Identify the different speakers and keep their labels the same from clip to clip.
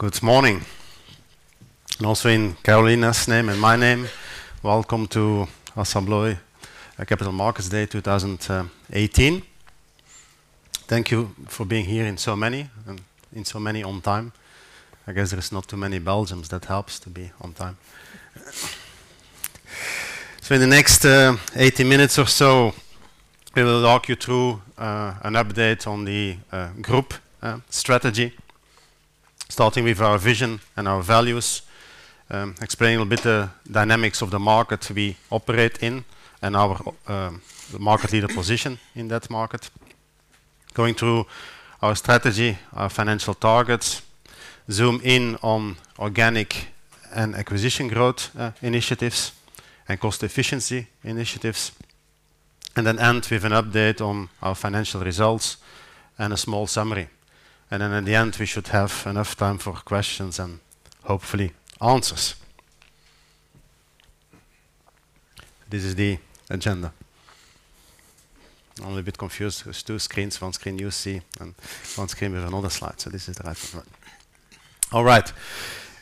Speaker 1: Good morning, and also in Carolina's name and my name, welcome to ASSA ABLOY Capital Markets Day 2018. Thank you for being here, and so many on time. I guess there's not too many Belgians. That helps to be on time. In the next 80 minutes or so, we will walk you through an update on the group strategy, starting with our vision and our values, explaining a bit the dynamics of the market we operate in and our market leader position in that market. Going through our strategy, our financial targets, zoom in on organic and acquisition growth initiatives and cost efficiency initiatives, and then end with an update on our financial results and a small summary. In the end, we should have enough time for questions and hopefully answers. This is the agenda. I'm a little bit confused. There's two screens, one screen you see, and one screen with another slide. This is the right one. All right.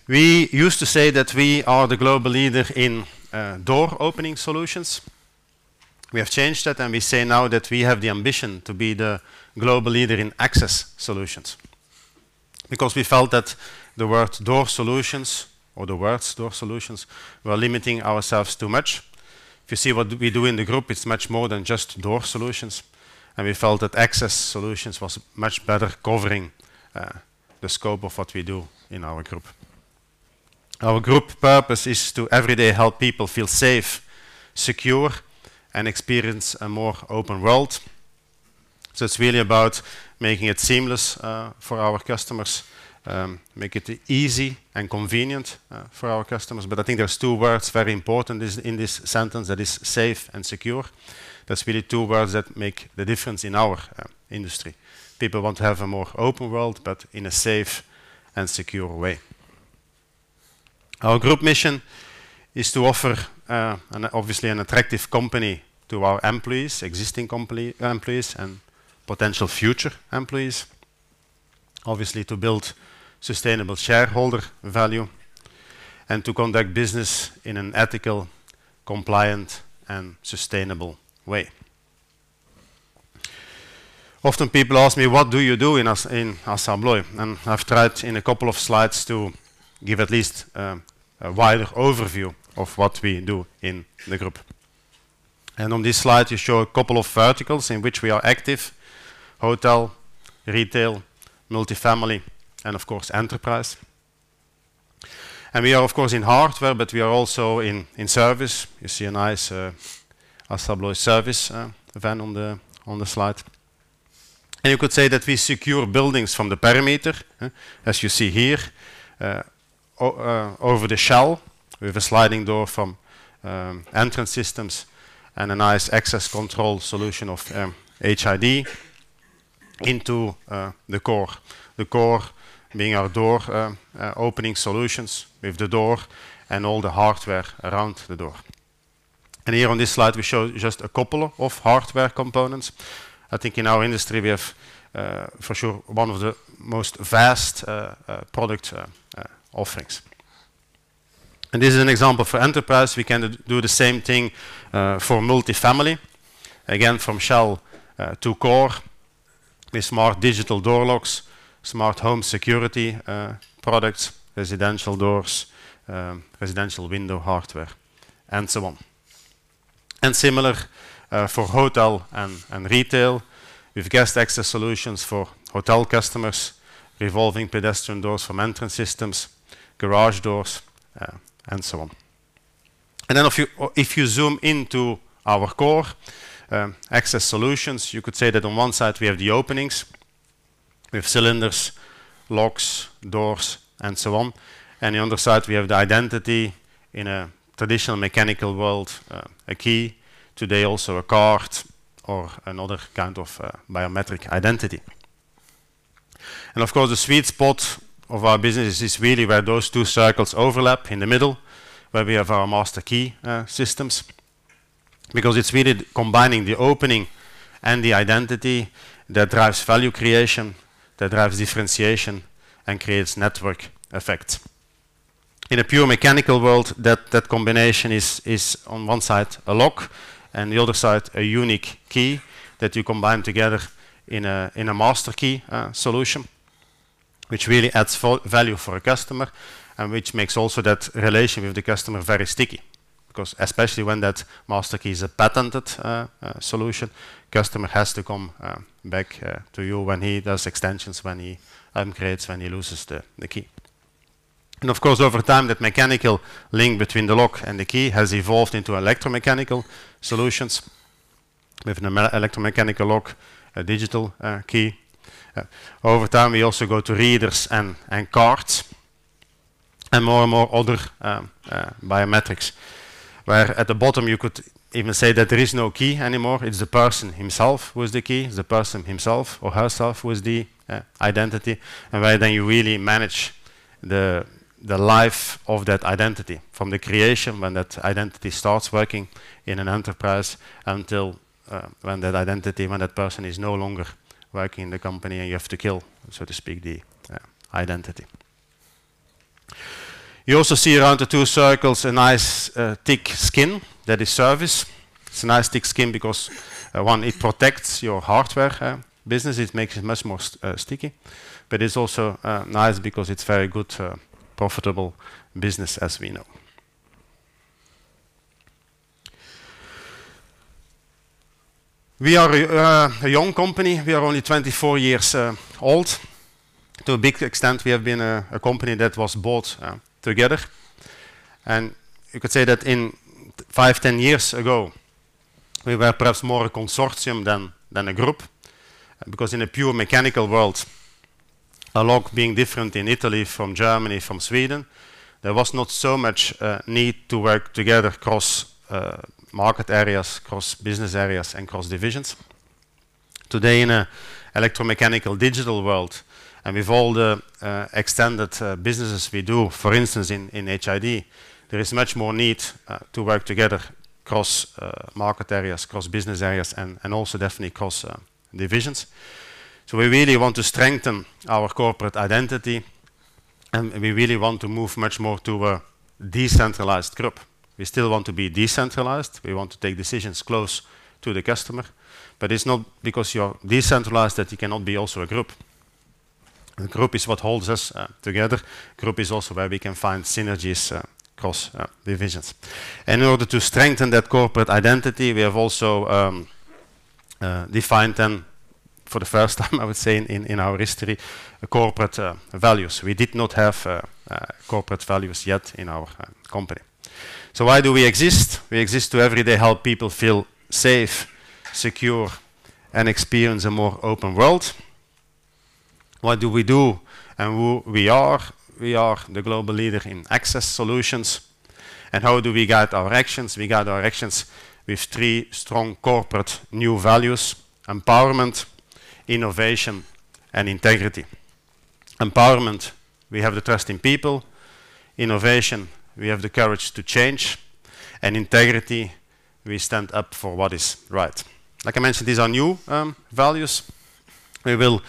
Speaker 1: We used to say that we are the global leader in door-opening solutions. We have changed that, and we say now that we have the ambition to be the global leader in access solutions. We felt that the word door solutions or the words door solutions were limiting ourselves too much. If you see what we do in the group, it's much more than just door solutions, and we felt that access solutions was much better covering the scope of what we do in our group. Our group purpose is to everyday help people feel safe, secure, and experience a more open world. It's really about making it seamless for our customers, make it easy and convenient for our customers. I think there's two words very important in this sentence that is safe and secure. That's really two words that make the difference in our industry. People want to have a more open world, but in a safe and secure way. Our group mission is to offer, obviously, an attractive company to our employees, existing employees, and potential future employees. Obviously, to build sustainable shareholder value and to conduct business in an ethical, compliant, and sustainable way. Often people ask me: What do you do in ASSA ABLOY? I've tried in a couple of slides to give at least a wider overview of what we do in the group. On this slide, we show a couple of verticals in which we are active: hotel, retail, multifamily, and of course, enterprise. We are, of course, in hardware, but we are also in service. You see a nice ASSA ABLOY service van on the slide. You could say that we secure buildings from the perimeter, as you see here, over the shell with a sliding door from Entrance Systems and a nice access control solution of HID into the core. The core being our door-opening solutions with the door and all the hardware around the door. Here on this slide, we show just a couple of hardware components. I think in our industry, we have for sure one of the most vast product offerings. This is an example for enterprise. We can do the same thing for multifamily, again, from shell to core with smart digital door locks, smart home security products, residential doors, residential window hardware, and so on. Similar for hotel and retail with guest access solutions for hotel customers, revolving pedestrian doors from Entrance Systems, garage doors, and so on. If you zoom into our core, access solutions, you could say that on one side, we have the openings with cylinders, locks, doors, and so on. The other side, we have the identity in a traditional mechanical world, a key. Today, also a card or another kind of biometric identity. Of course, the sweet spot of our business is really where those two circles overlap in the middle, where we have our master key systems, because it's really combining the opening and the identity that drives value creation, that drives differentiation, and creates network effect. In a pure mechanical world, that combination is on one side a lock and the other side a unique key that you combine together in a master key solution, which really adds value for a customer and which makes also that relation with the customer very sticky. Especially when that master key is a patented solution, customer has to come back to you when he does extensions, when he upgrades, when he loses the key. Of course, over time, that mechanical link between the lock and the key has evolved into electromechanical solutions with an electromechanical lock, a digital key. Over time, we also go to readers and cards and more and more other biometrics, where at the bottom you could even say that there is no key anymore. It's the person himself who is the key, the person himself or herself who is the identity, and where then you really manage the life of that identity from the creation when that identity starts working in an enterprise until when that person is no longer working in the company, and you have to kill, so to speak, the identity. You also see around the two circles a nice thick skin that is service. It's a nice thick skin because, one, it protects your hardware business. It makes it much more sticky, but it's also nice because it's very good profitable business as we know. We are a young company. We are only 24 years old. To a big extent, we have been a company that was bought together. You could say that in five, 10 years ago, we were perhaps more a consortium than a group. In a pure mechanical world, a lock being different in Italy from Germany, from Sweden, there was not so much need to work together cross market areas, cross business areas, and cross divisions. Today, in an electromechanical digital world and with all the extended businesses we do, for instance, in HID, there is much more need to work together cross market areas, cross business areas, and also definitely cross divisions. We really want to strengthen our corporate identity. We really want to move much more to a decentralized group. We still want to be decentralized. We want to take decisions close to the customer, but it's not because you are decentralized that you cannot be also a group. A group is what holds us together. Group is also where we can find synergies cross divisions. In order to strengthen that corporate identity, we have also defined them for the first time, I would say, in our history, corporate values. We did not have corporate values yet in our company. Why do we exist? We exist to every day help people feel safe, secure, and experience a more open world. What do we do and who we are? We are the global leader in access solutions. How do we guide our actions? We guide our actions with three strong corporate new values: empowerment, innovation, and integrity. Empowerment, we have the trust in people. Innovation, we have the courage to change, and integrity, we stand up for what is right. Like I mentioned, these are new values. We will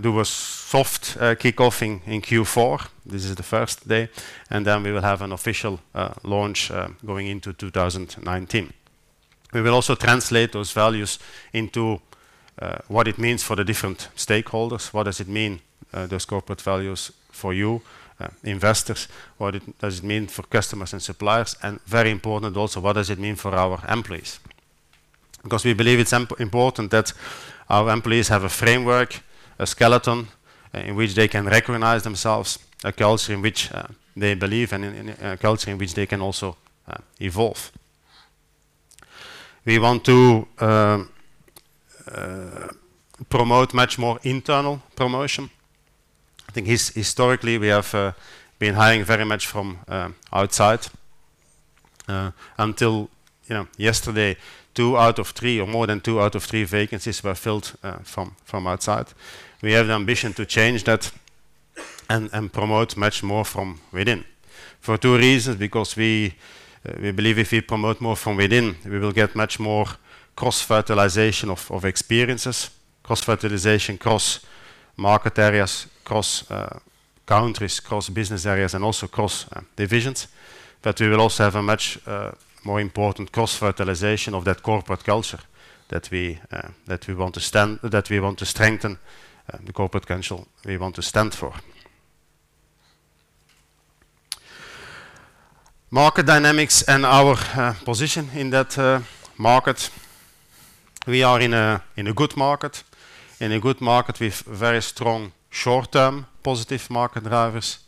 Speaker 1: do a soft kickoff in Q4. This is the first day, and then we will have an official launch going into 2019. We will also translate those values into what it means for the different stakeholders. What does it mean, those corporate values for you investors? What does it mean for customers and suppliers? Very important also, what does it mean for our employees? We believe it's important that our employees have a framework, a skeleton in which they can recognize themselves, a culture in which they believe and a culture in which they can also evolve. We want to promote much more internal promotion. I think historically, we have been hiring very much from outside. Until yesterday, two out of three or more than two out of three vacancies were filled from outside. We have the ambition to change that and promote much more from within, for two reasons. We believe if we promote more from within, we will get much more cross-fertilization of experiences, cross-fertilization, cross market areas, cross countries, cross business areas, and also cross divisions. We will also have a much more important cross-fertilization of that corporate culture that we want to strengthen the corporate culture we want to stand for. Market dynamics and our position in that market. We are in a good market, in a good market with very strong short-term positive market drivers,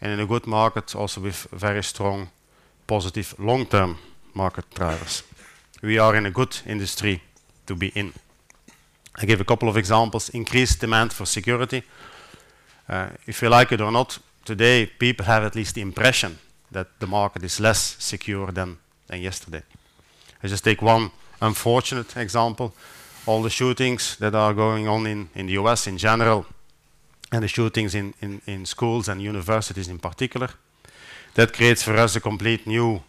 Speaker 1: and in a good market also with very strong positive long-term market drivers. We are in a good industry to be in. I give a couple of examples. Increased demand for security. If you like it or not, today, people have at least the impression that the market is less secure than yesterday. I just take one unfortunate example. All the shootings that are going on in the U.S. in general, and the shootings in schools and universities in particular, that creates for us a complete new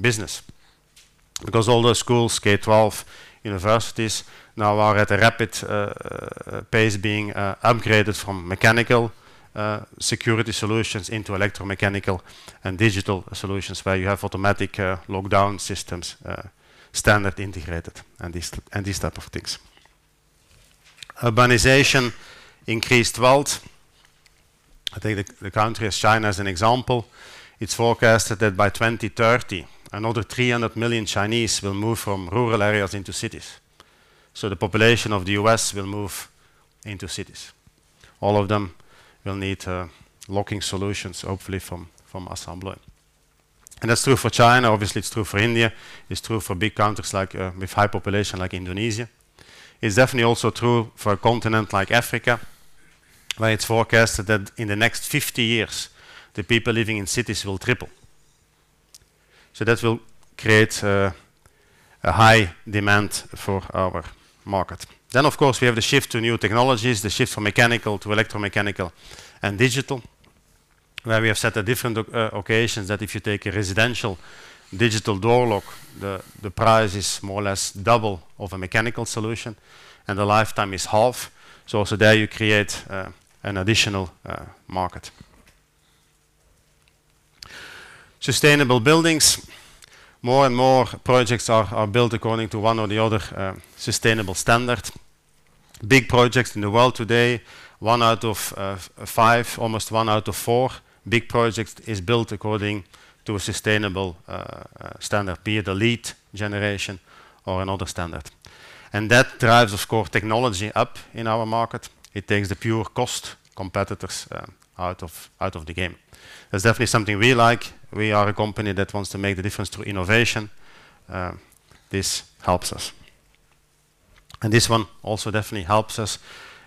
Speaker 1: business because all those schools, K-12, universities, now are at a rapid pace being upgraded from mechanical security solutions into electromechanical and digital solutions where you have automatic lockdown systems, standard integrated and these type of things. Urbanization, increased wealth. I take the country of China as an example. It's forecasted that by 2030, another 300 million Chinese will move from rural areas into cities. The population of the U.S. will move into cities. All of them will need locking solutions, hopefully from ASSA ABLOY. That's true for China, obviously, it's true for India. It's true for big countries with high population like Indonesia. It's definitely also true for a continent like Africa, where it's forecasted that in the next 50 years, the people living in cities will triple. That will create a high demand for our market. Of course, we have the shift to new technologies, the shift from mechanical to electromechanical and digital, where we have said at different occasions that if you take a residential digital door lock, the price is more or less double of a mechanical solution, and the lifetime is half. Also there you create an additional market. Sustainable buildings, more and more projects are built according to one or the other sustainable standard. Big projects in the world today, one out of five, almost one out of four big projects is built according to a sustainable standard, be it a LEED certification or another standard. That drives, of course, technology up in our market. It takes the pure cost competitors out of the game. That's definitely something we like. We are a company that wants to make the difference through innovation. This helps us. This one also definitely helps us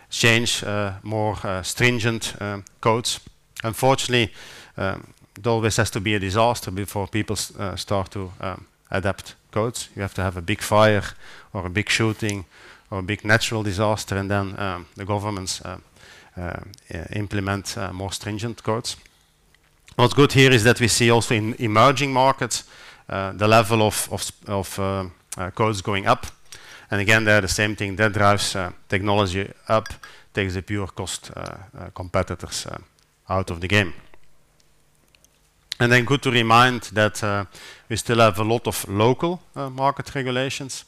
Speaker 1: change more stringent codes. Unfortunately, there always has to be a disaster before people start to adapt codes. You have to have a big fire or a big shooting or a big natural disaster, and then the governments implement more stringent codes. What's good here is that we see also in emerging markets the level of codes going up, again, there the same thing. That drives technology up, takes the pure cost competitors out of the game. Good to remind that we still have a lot of local market regulations.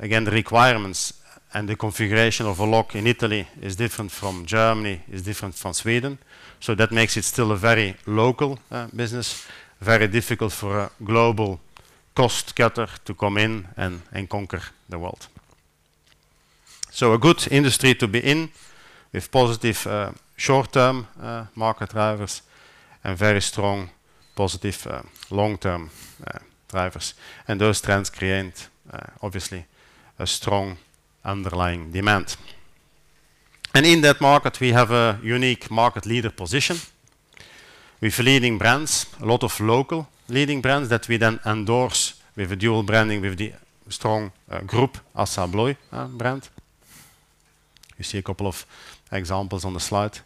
Speaker 1: The requirements and the configuration of a lock in Italy is different from Germany, is different from Sweden. That makes it still a very local business, very difficult for a global cost cutter to come in and conquer the world. A good industry to be in with positive short-term market drivers and very strong positive long-term drivers. Those trends create, obviously, a strong underlying demand. In that market, we have a unique market leader position with leading brands, a lot of local leading brands that we then endorse with a dual branding, with the strong group ASSA ABLOY brand. You see a couple of examples on the slide.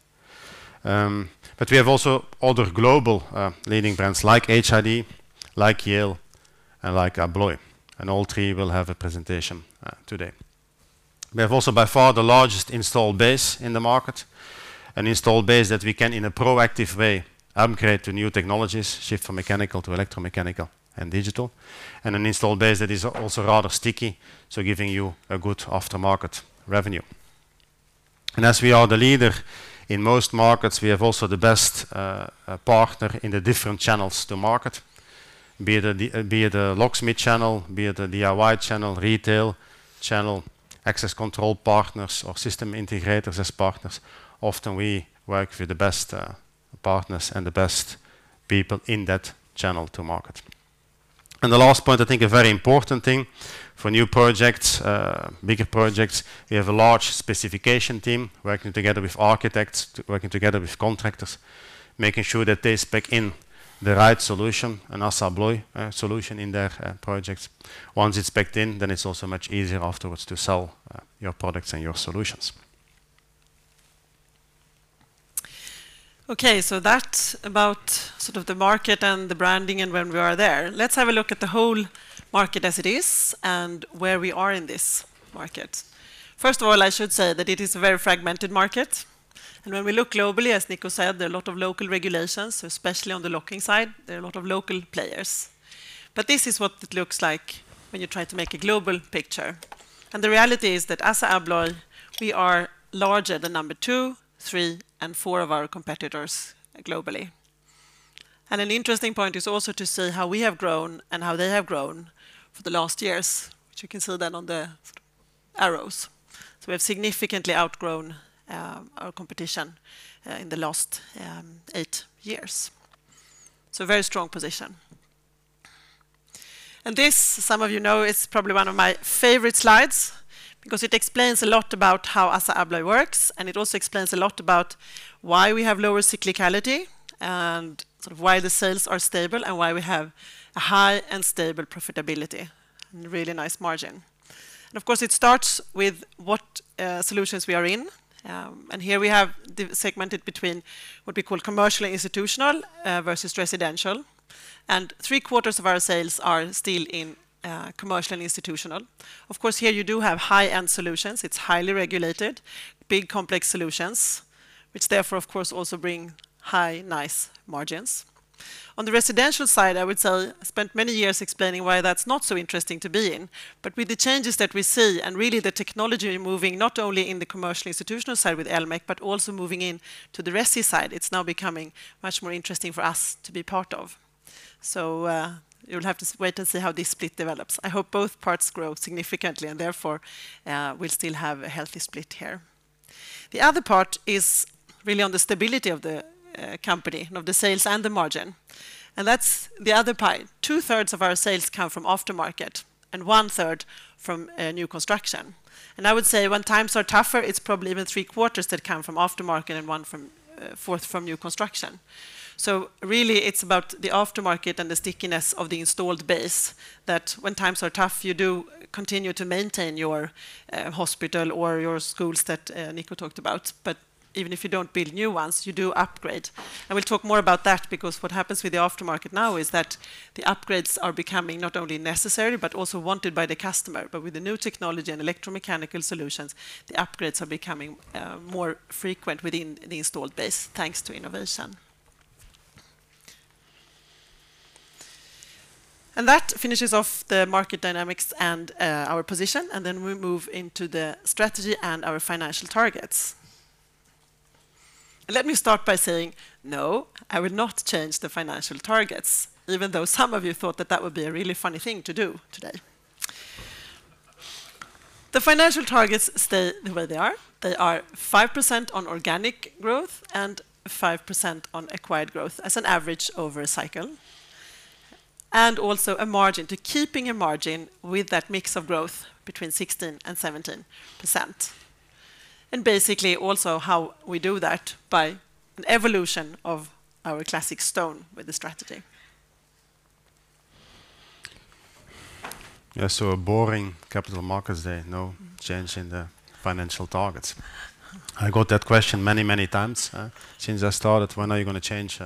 Speaker 1: We have also other global leading brands like HID, like Yale, and like ABLOY. All three will have a presentation today. We have also by far the largest install base in the market, an install base that we can in a proactive way upgrade to new technologies, shift from mechanical to electromechanical and digital, and an install base that is also rather sticky, giving you a good aftermarket revenue. As we are the leader in most markets, we have also the best partner in the different channels to market, be it a locksmith channel, be it a DIY channel, retail channel, access control partners, or system integrators as partners. Often we work with the best partners and the best people in that channel to market. The last point, I think a very important thing for new projects, bigger projects, we have a large specification team working together with architects, working together with contractors, making sure that they spec in the right solution, an ASSA ABLOY solution in their projects. Once it's spec-ed in, it's also much easier afterwards to sell your products and your solutions.
Speaker 2: That's about sort of the market and the branding and where we are there. Let's have a look at the whole market as it is and where we are in this market. First of all, I should say that it is a very fragmented market. When we look globally, as Nico said, there are a lot of local regulations, especially on the locking side. There are a lot of local players. This is what it looks like when you try to make a global picture. The reality is that ASSA ABLOY, we are larger than number two, three, and four of our competitors globally. An interesting point is also to see how we have grown and how they have grown for the last years, which you can see then on the arrows. We have significantly outgrown our competition in the last eight years. A very strong position. This, some of you know, is probably one of my favorite slides because it explains a lot about how ASSA ABLOY works, and it also explains a lot about why we have lower cyclicality, and sort of why the sales are stable and why we have a high and stable profitability and really nice margin. Of course, it starts with what solutions we are in. Here we have segmented between what we call commercial institutional versus residential. Three quarters of our sales are still in commercial and institutional. Of course, here you do have high-end solutions. It's highly regulated. Big, complex solutions, which therefore, of course, also bring high, nice margins. On the residential side, I would say I spent many years explaining why that's not so interesting to be in. With the changes that we see and really the technology moving not only in the commercial institutional side with electromechanical, but also moving in to the resi side, it's now becoming much more interesting for us to be part of. You'll have to wait and see how this split develops. I hope both parts grow significantly, and therefore, we'll still have a healthy split here. The other part is really on the stability of the company, of the sales, and the margin. That's the other pie. 2/3 of our sales come from aftermarket and 1/3 from new construction. I would say when times are tougher, it's probably even three quarters that come from aftermarket and one fourth from new construction. Really it is about the aftermarket and the stickiness of the installed base, that when times are tough, you do continue to maintain your hospital or your schools that Nico talked about, but even if you do not build new ones, you do upgrade. We will talk more about that, because what happens with the aftermarket now is that the upgrades are becoming not only necessary, but also wanted by the customer. With the new technology and electromechanical solutions, the upgrades are becoming more frequent within the installed base, thanks to innovation. That finishes off the market dynamics and our position, and then we move into the strategy and our financial targets. Let me start by saying, no, I will not change the financial targets, even though some of you thought that that would be a really funny thing to do today. The financial targets stay the way they are. They are 5% on organic growth and 5% on acquired growth as an average over a cycle. Also a margin, to keeping a margin, with that mix of growth between 16% and 17%. Basically also how we do that by an evolution of our classic stone with the strategy.
Speaker 1: A boring Capital Markets Day. No change in the financial targets. I got that question many times since I started, "When are you going to change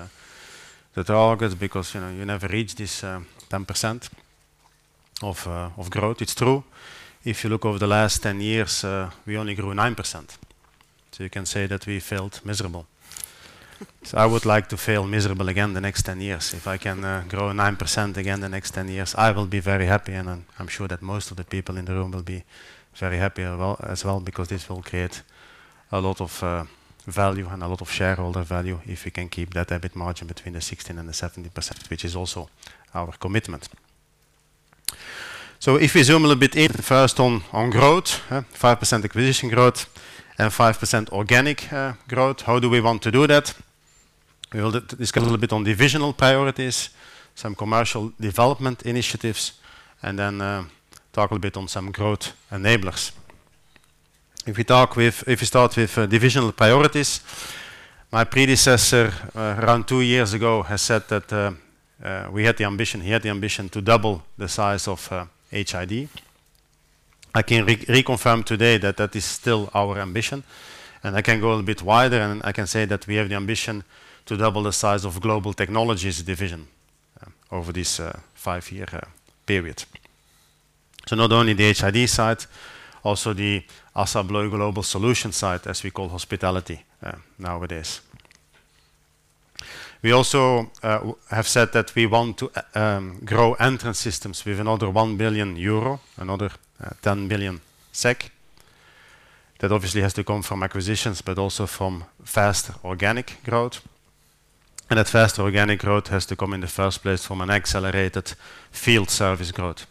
Speaker 1: the targets? Because you never reach this 10% of growth." It is true. If you look over the last 10 years, we only grew 9%. You can say that we failed miserably. I would like to fail miserably again the next 10 years. If I can grow 9% again the next 10 years, I will be very happy, and I am sure that most of the people in the room will be very happy as well, because this will create a lot of value and a lot of shareholder value if we can keep that EBIT margin between the 16% and the 17%, which is also our commitment. If we zoom a little bit in first on growth, 5% acquisition growth and 5% organic growth. How do we want to do that? We will discuss a little bit on divisional priorities, some commercial development initiatives, and then talk a bit on some growth enablers. If we start with divisional priorities, my predecessor, around two years ago, has said that he had the ambition to double the size of HID. I can reconfirm today that that is still our ambition, and I can go a bit wider, and I can say that we have the ambition to double the size of Global Technologies division over this five-year period. Not only the HID side, also the ASSA ABLOY Global Solutions side, as we call hospitality nowadays. We also have said that we want to grow Entrance Systems with another 1 billion euro, another 10 billion SEK. That obviously has to come from acquisitions, but also from fast organic growth. That fast organic growth has to come in the first place from an accelerated field service growth,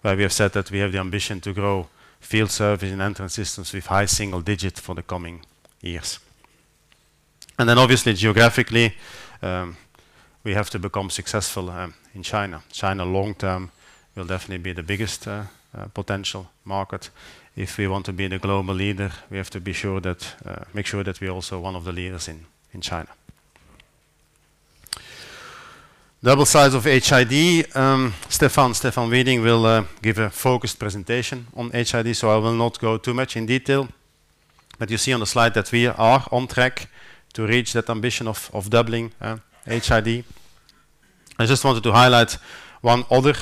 Speaker 1: where we have said that we have the ambition to grow field service and Entrance Systems with high single digits for the coming years. Obviously geographically, we have to become successful in China. China long term will definitely be the biggest potential market. If we want to be the global leader, we have to make sure that we're also one of the leaders in China. Double size of HID. Stefan Widing will give a focused presentation on HID, so I will not go too much in detail. You see on the slide that we are on track to reach that ambition of doubling HID. I just wanted to highlight one other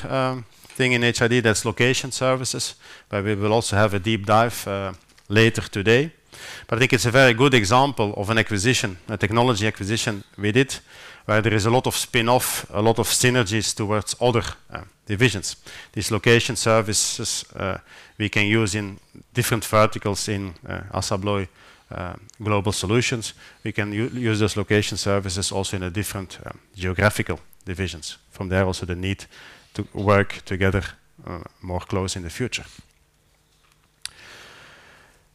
Speaker 1: thing in HID, that's location services, where we will also have a deep dive later today. I think it's a very good example of an acquisition, a technology acquisition we did, where there is a lot of spin-off, a lot of synergies towards other divisions. These location services we can use in different verticals in ASSA ABLOY Global Solutions. We can use those location services also in the different geographical divisions. From there, also the need to work together more close in the future.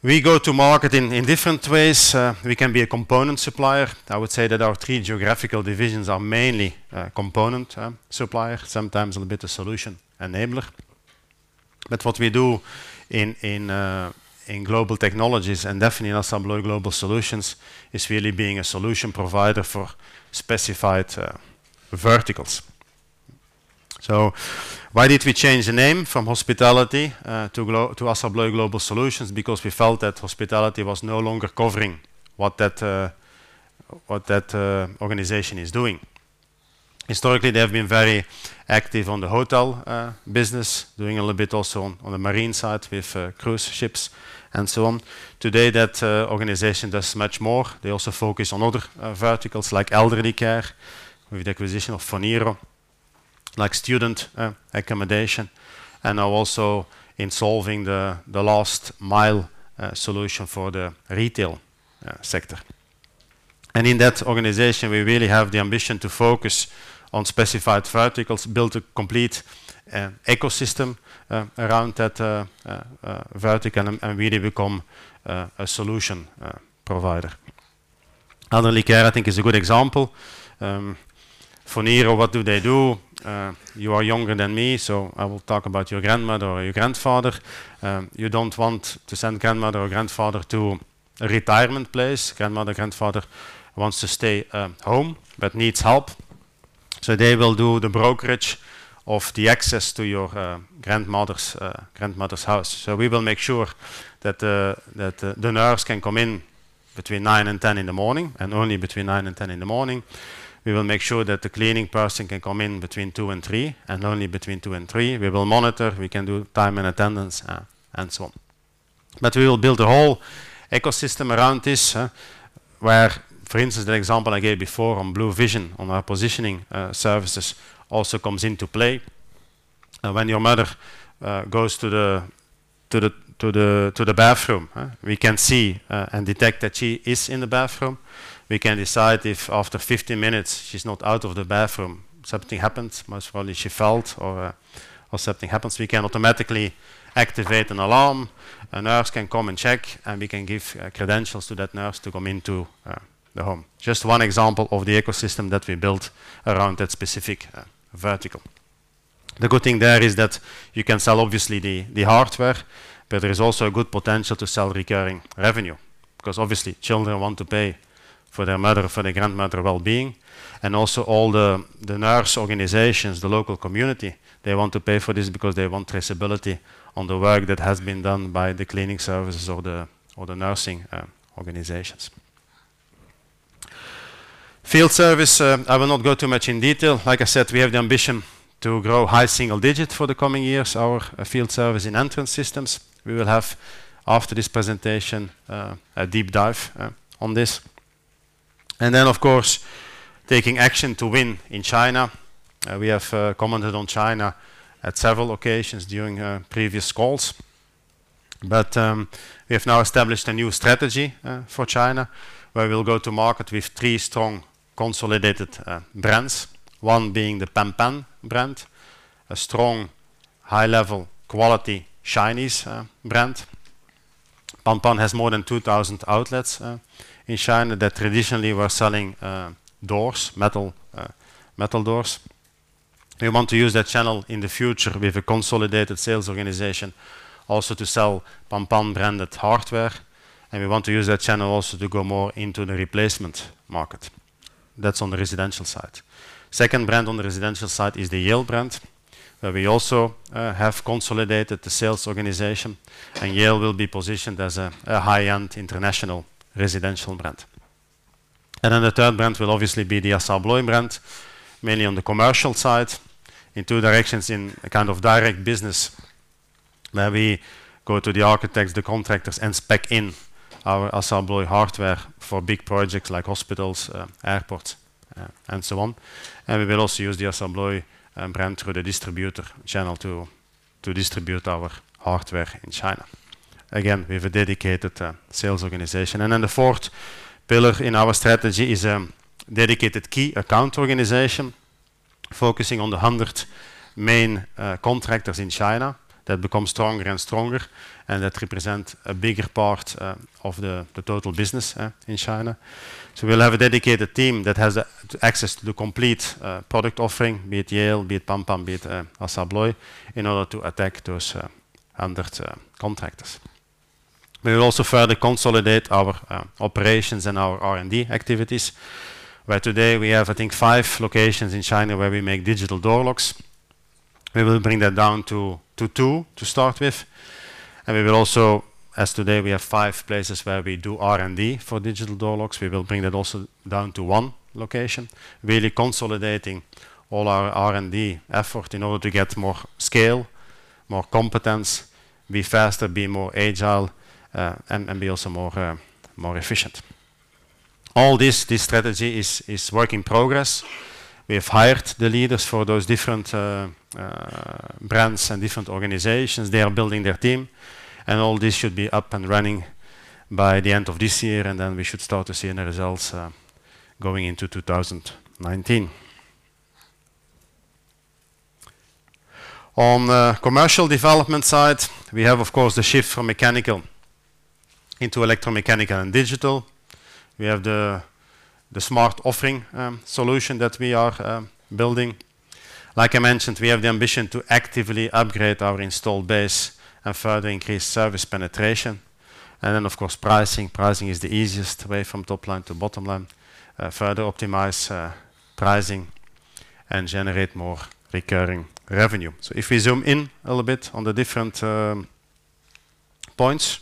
Speaker 1: We go to market in different ways. We can be a component supplier. I would say that our three geographical divisions are mainly a component supplier, sometimes a little bit a solution enabler. What we do in Global Technologies, and definitely in ASSA ABLOY Global Solutions, is really being a solution provider for specified verticals. Why did we change the name from Hospitality to ASSA ABLOY Global Solutions? Because we felt that Hospitality was no longer covering what that organization is doing. Historically, they have been very active on the hotel business, doing a little bit also on the marine side with cruise ships and so on. Today, that organization does much more. They also focus on other verticals like elderly care with the acquisition of Phoniro, like student accommodation, and now also in solving the last mile solution for the retail sector. In that organization, we really have the ambition to focus on specified verticals, build a complete ecosystem around that vertical, and really become a solution provider. Elderly care, I think, is a good example. Phoniro, what do they do? You are younger than me, so I will talk about your grandmother or your grandfather. You don't want to send grandmother or grandfather to a retirement place. Grandmother, grandfather wants to stay home, but needs help. They will do the brokerage of the access to your grandmother's house. We will make sure that the nurse can come in between 9:00 and 10:00 in the morning, and only between 9:00 and 10:00 in the morning. We will make sure that the cleaning person can come in between 2:00 and 3:00, and only between 2:00 and 3:00. We will monitor, we can do time and attendance, and so on. We will build a whole ecosystem around this, where, for instance, the example I gave before on Bluvision on our positioning services also comes into play. When your mother goes to the bathroom, we can see and detect that she is in the bathroom. We can decide if after 15 minutes she's not out of the bathroom, something happens, most probably she fell or something happens. We can automatically activate an alarm. A nurse can come and check, and we can give credentials to that nurse to come into the home. Just one example of the ecosystem that we built around that specific vertical. The good thing there is that you can sell, obviously, the hardware, but there is also a good potential to sell recurring revenue, because obviously, children want to pay for their mother, for their grandmother well-being. Also all the nurse organizations, the local community, they want to pay for this because they want traceability on the work that has been done by the cleaning services or the nursing organizations. Field service, I will not go too much in detail. Like I said, we have the ambition to grow high single digit for the coming years. Our field service in Entrance Systems, we will have after this presentation, a deep dive on this. Then, of course, taking action to win in China. We have commented on China at several occasions during previous calls. We have now established a new strategy for China, where we will go to market with three strong consolidated brands, one being the PANPAN brand, a strong high-level quality Chinese brand. PANPAN has more than 2,000 outlets in China that traditionally were selling doors, metal doors. We want to use that channel in the future with a consolidated sales organization also to sell PANPAN-branded hardware, and we want to use that channel also to go more into the replacement market. That's on the residential side. Second brand on the residential side is the Yale brand, where we also have consolidated the sales organization, and Yale will be positioned as a high-end international residential brand. Then the third brand will obviously be the ASSA ABLOY brand, mainly on the commercial side in two directions, in a kind of direct business where we go to the architects, the contractors, and spec in our ASSA ABLOY hardware for big projects like hospitals, airports, and so on. We will also use the ASSA ABLOY brand through the distributor channel to distribute our hardware in China. Again, we have a dedicated sales organization. Then the fourth pillar in our strategy is a dedicated key account organization focusing on the 100 main contractors in China that become stronger and stronger and that represent a bigger part of the total business in China. We'll have a dedicated team that has access to the complete product offering, be it Yale, be it PANPAN, be it ASSA ABLOY, in order to attack those 100 contractors. We will also further consolidate our operations and our R&D activities. Where today we have, I think, five locations in China where we make digital door locks. We will bring that down to two to start with. We will also, as today we have five places where we do R&D for digital door locks, we will bring that also down to one location, really consolidating all our R&D effort in order to get more scale, more competence, be faster, be more agile, and be also more efficient. All this strategy is work in progress. We have hired the leaders for those different brands and different organizations. They are building their team, all this should be up and running by the end of this year, then we should start to see the results going into 2019. On the commercial development side, we have, of course, the shift from mechanical into electromechanical and digital. We have the smart offering solution that we are building. Like I mentioned, we have the ambition to actively upgrade our installed base and further increase service penetration. Of course, pricing. Pricing is the easiest way from top line to bottom line. Further optimize pricing and generate more recurring revenue. If we zoom in a little bit on the different points.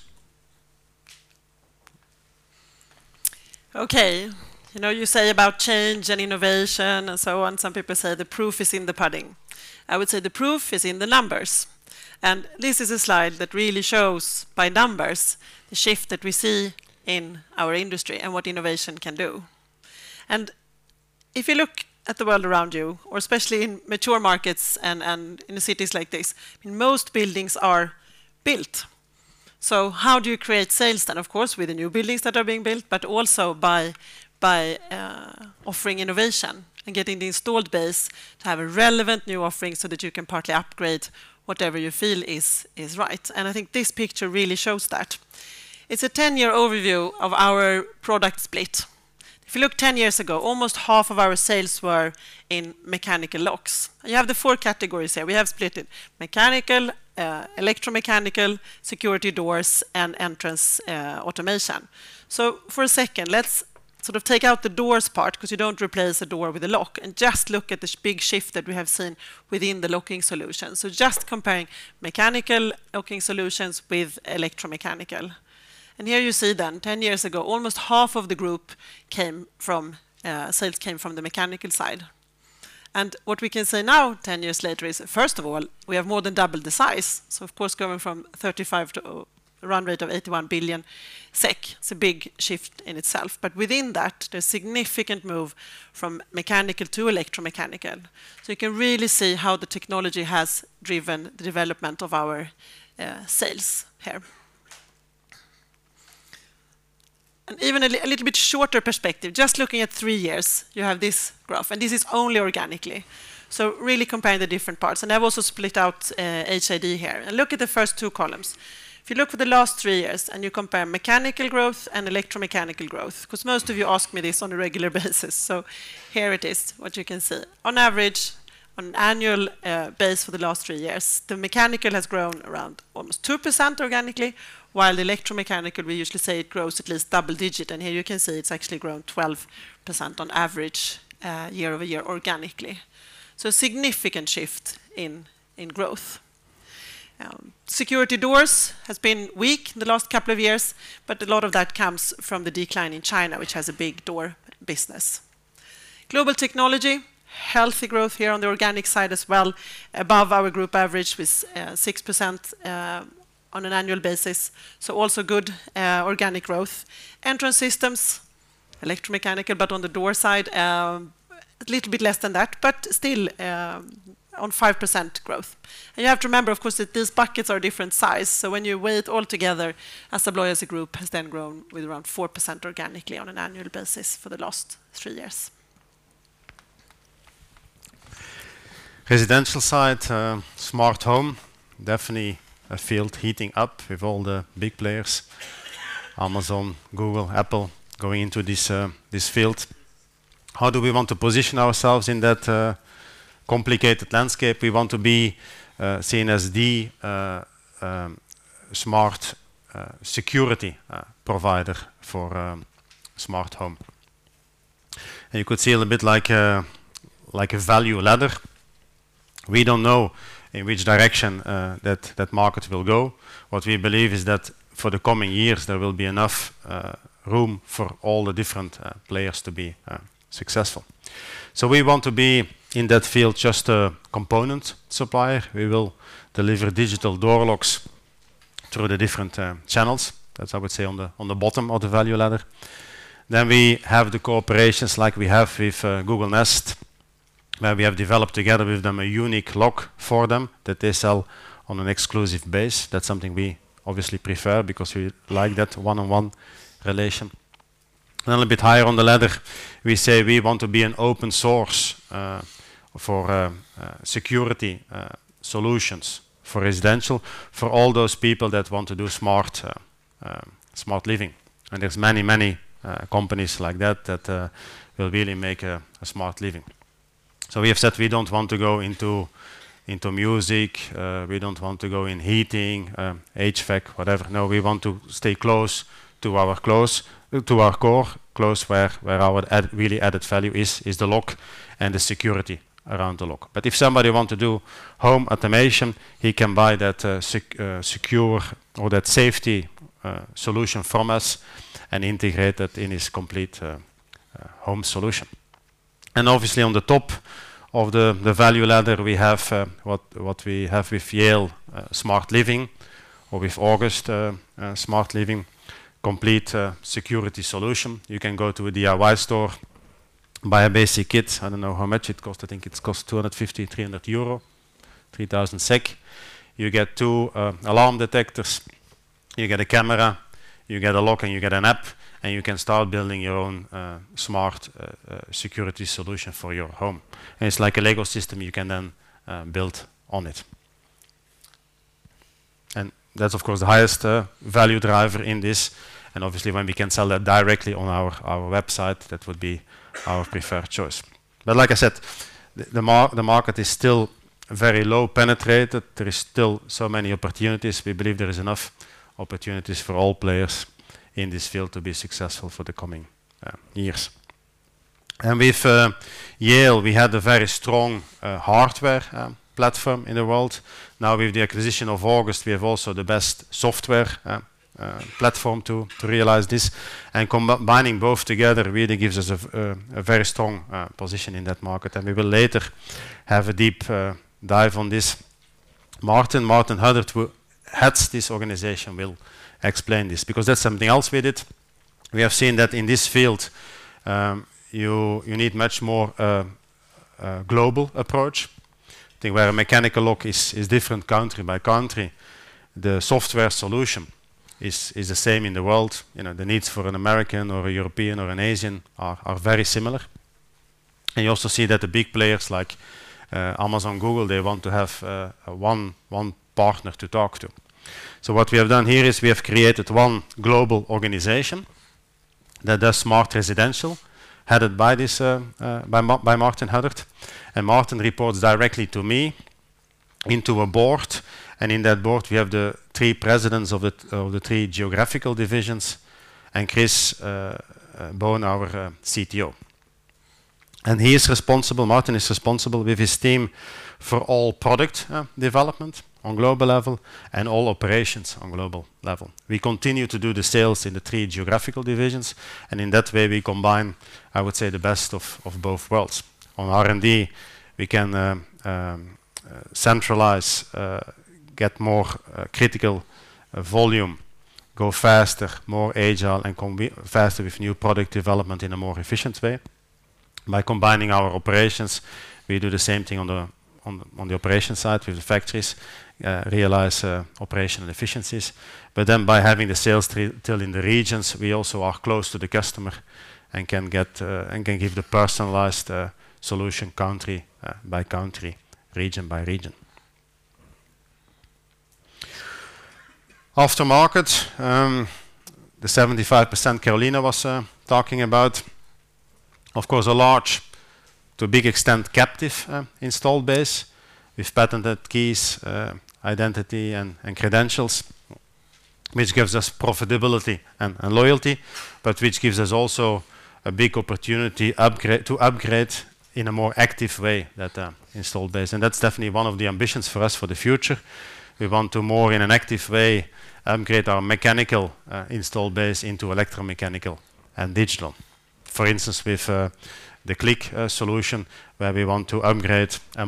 Speaker 2: Okay. You say about change and innovation and so on. Some people say the proof is in the pudding. I would say the proof is in the numbers. This is a slide that really shows by numbers the shift that we see in our industry and what innovation can do. If you look at the world around you, or especially in mature markets and in cities like this, most buildings are built. How do you create sales then? Of course, with the new buildings that are being built, but also by offering innovation and getting the installed base to have a relevant new offering so that you can partly upgrade whatever you feel is right. I think this picture really shows that. It is a 10-year overview of our product split. If you look 10 years ago, almost half of our sales were in mechanical locks. You have the four categories here. We have split it, mechanical, electromechanical, security doors, and entrance automation. For a second, let's take out the doors part, because you do not replace a door with a lock, and just look at the big shift that we have seen within the locking solution. Just comparing mechanical locking solutions with electromechanical. Here you see then, 10 years ago, almost half of the group sales came from the mechanical side. What we can say now, 10 years later is, first of all, we have more than doubled the size, of course, going from 35 to a run rate of 81 billion SEK, it is a big shift in itself. Within that, there is significant move from mechanical to electromechanical. You can really see how the technology has driven the development of our sales here. Even a little bit shorter perspective, just looking at three years, you have this graph, this is only organically. Really comparing the different parts, I have also split out HID here. Look at the first two columns. If you look for the last three years and you compare mechanical growth and electromechanical growth, because most of you ask me this on a regular basis, here it is, what you can see. On average, on an annual base for the last three years, the mechanical has grown around almost 2% organically, while electromechanical, we usually say it grows at least double digit, and here you can see it has actually grown 12% on average year-over-year organically. A significant shift in growth. Security doors has been weak in the last couple of years, but a lot of that comes from the decline in China, which has a big door business. Global Technologies, healthy growth here on the organic side as well, above our group average with 6% on an annual basis, also good organic growth. Entrance Systems, electromechanical, but on the door side, a little bit less than that, but still on 5% growth. You have to remember, of course, that these buckets are different size, so when you weigh it all together, ASSA ABLOY as a group has then grown with around 4% organically on an annual basis for the last three years.
Speaker 1: Residential side, smart home, definitely a field heating up with all the big players, Amazon, Google, Apple, going into this field. How do we want to position ourselves in that complicated landscape? We want to be seen as the smart security provider for smart home. You could see a little bit like a value ladder. We don't know in which direction that that market will go. What we believe is that for the coming years, there will be enough room for all the different players to be successful. We want to be in that field just a component supplier. We will deliver digital door locks through the different channels. That's, I would say, on the bottom of the value ladder. We have the corporations like we have with Google Nest, where we have developed together with them a unique lock for them that they sell on an exclusive basis. That's something we obviously prefer because we like that one-on-one relation. A little bit higher on the ladder, we say we want to be an open source for security solutions for residential, for all those people that want to do smart living. There's many, many companies like that that will really make a smart living. We have said we don't want to go into music. We don't want to go in heating, HVAC, whatever. No, we want to stay close to our core, close where our really added value is the lock and the security around the lock. If somebody want to do home automation, he can buy that secure or that safety solution from us and integrate that in his complete home solution. Obviously on the top of the value ladder, we have what we have with Yale Smart Living or with August Smart Living, complete security solution. You can go to a DIY store, buy a basic kit. I don't know how much it costs. I think it costs 250-300 euro, 3,000 SEK. You get two alarm detectors, you get a camera, you get a lock, you get an app, you can start building your own smart security solution for your home. It's like a Lego system. You can then build on it. That's, of course, the highest value driver in this. Obviously, when we can sell that directly on our website, that would be our preferred choice. Like I said, the market is still very low penetrated. There is still so many opportunities. We believe there is enough opportunities for all players in this field to be successful for the coming years. With Yale, we had a very strong hardware platform in the world. Now with the acquisition of August, we have also the best software platform to realize this. Combining both together really gives us a very strong position in that market. We will later have a deep dive on this Martin Huddart who heads this organization will explain this, because that's something else we did. We have seen that in this field, you need much more global approach. I think where a mechanical lock is different country by country, the software solution is the same in the world. The needs for an American or a European or an Asian are very similar. You also see that the big players like Amazon, Google, they want to have one partner to talk to. What we have done here is we have created one global organization that does smart residential, headed by Martin Huddart. Martin reports directly to me into a board. In that board, we have the three presidents of the three geographical divisions and Chris Bone, our CTO. Martin is responsible with his team for all product development on global level and all operations on global level. We continue to do the sales in the three geographical divisions, and in that way, we combine, I would say, the best of both worlds. On R&D, we can centralize, get more critical volume, go faster, more agile, and can be faster with new product development in a more efficient way. By combining our operations, we do the same thing on the operation side with the factories, realize operational efficiencies. By having the sales team still in the regions, we also are close to the customer and can give the personalized solution country by country, region by region. After market, the 75% Carolina was talking about, of course, a large, to a big extent, captive installed base with patented keys, identity, and credentials, which gives us profitability and loyalty, but which gives us also a big opportunity to upgrade in a more active way that installed base. That's definitely one of the ambitions for us for the future. We want to more in an active way upgrade our mechanical installed base into electromechanical and digital. For instance, with the CLIQ solution, where we want to upgrade a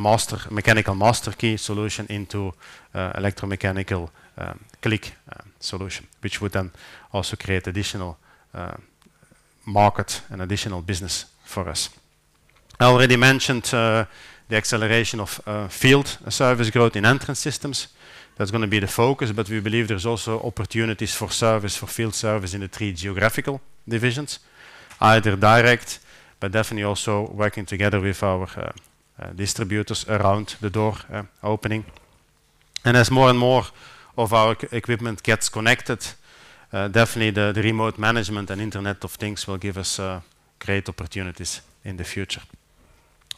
Speaker 1: mechanical master key solution into electromechanical CLIQ solution, which would then also create additional market and additional business for us. I already mentioned the acceleration of field service growth in Entrance Systems. That's going to be the focus, we believe there's also opportunities for service, for field service in the three geographical divisions, either direct, but definitely also working together with our distributors around the door opening. As more and more of our equipment gets connected, definitely the remote management and Internet of Things will give us great opportunities in the future.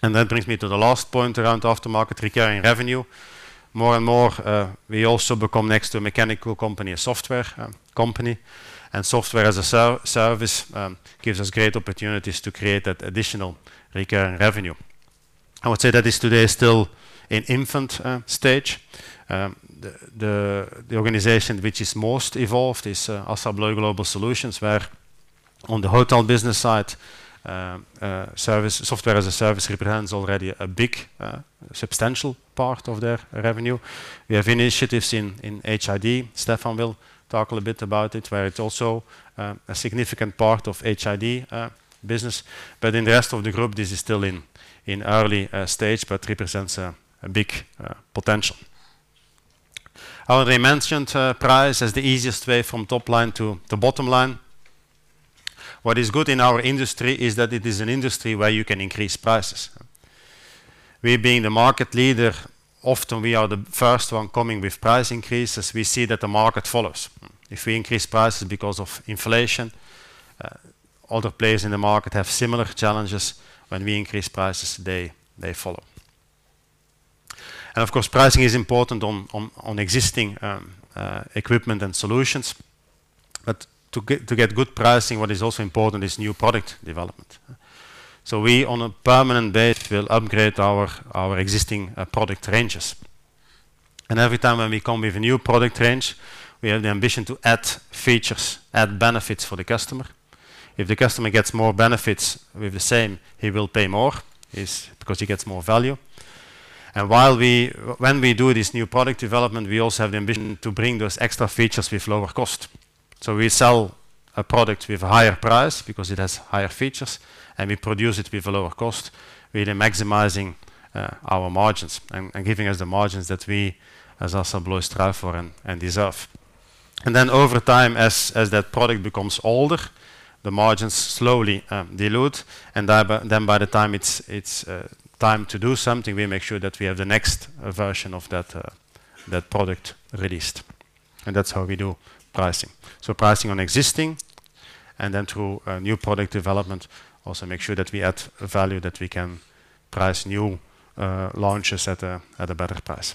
Speaker 1: That brings me to the last point around aftermarket recurring revenue. More and more, we also become next to a mechanical company, a software company. Software as a service gives us great opportunities to create that additional recurring revenue. I would say that is today still in infant stage. The organization which is most evolved is ASSA ABLOY Global Solutions, where on the hotel business side, software as a service represents already a big substantial part of their revenue. We have initiatives in HID. Stefan will talk a bit about it, where it's also a significant part of HID business. In the rest of the group, this is still in early stage, represents a big potential. I already mentioned price as the easiest way from top line to the bottom line. What is good in our industry is that it is an industry where you can increase prices. We being the market leader, often we are the first one coming with price increases. We see that the market follows. If we increase prices because of inflation, other players in the market have similar challenges. When we increase prices, they follow. Of course, pricing is important on existing equipment and solutions. To get good pricing, what is also important is new product development. We, on a permanent base, will upgrade our existing product ranges. Every time when we come with a new product range, we have the ambition to add features, add benefits for the customer. If the customer gets more benefits with the same, he will pay more because he gets more value. When we do this new product development, we also have the ambition to bring those extra features with lower cost. We sell a product with a higher price because it has higher features, and we produce it with a lower cost, really maximizing our margins and giving us the margins that we, as ASSA ABLOY, strive for and deserve. Over time, as that product becomes older, the margins slowly dilute, and then by the time it's time to do something, we make sure that we have the next version of that product released. That's how we do pricing. Pricing on existing and then through new product development, also make sure that we add value that we can price new launches at a better price.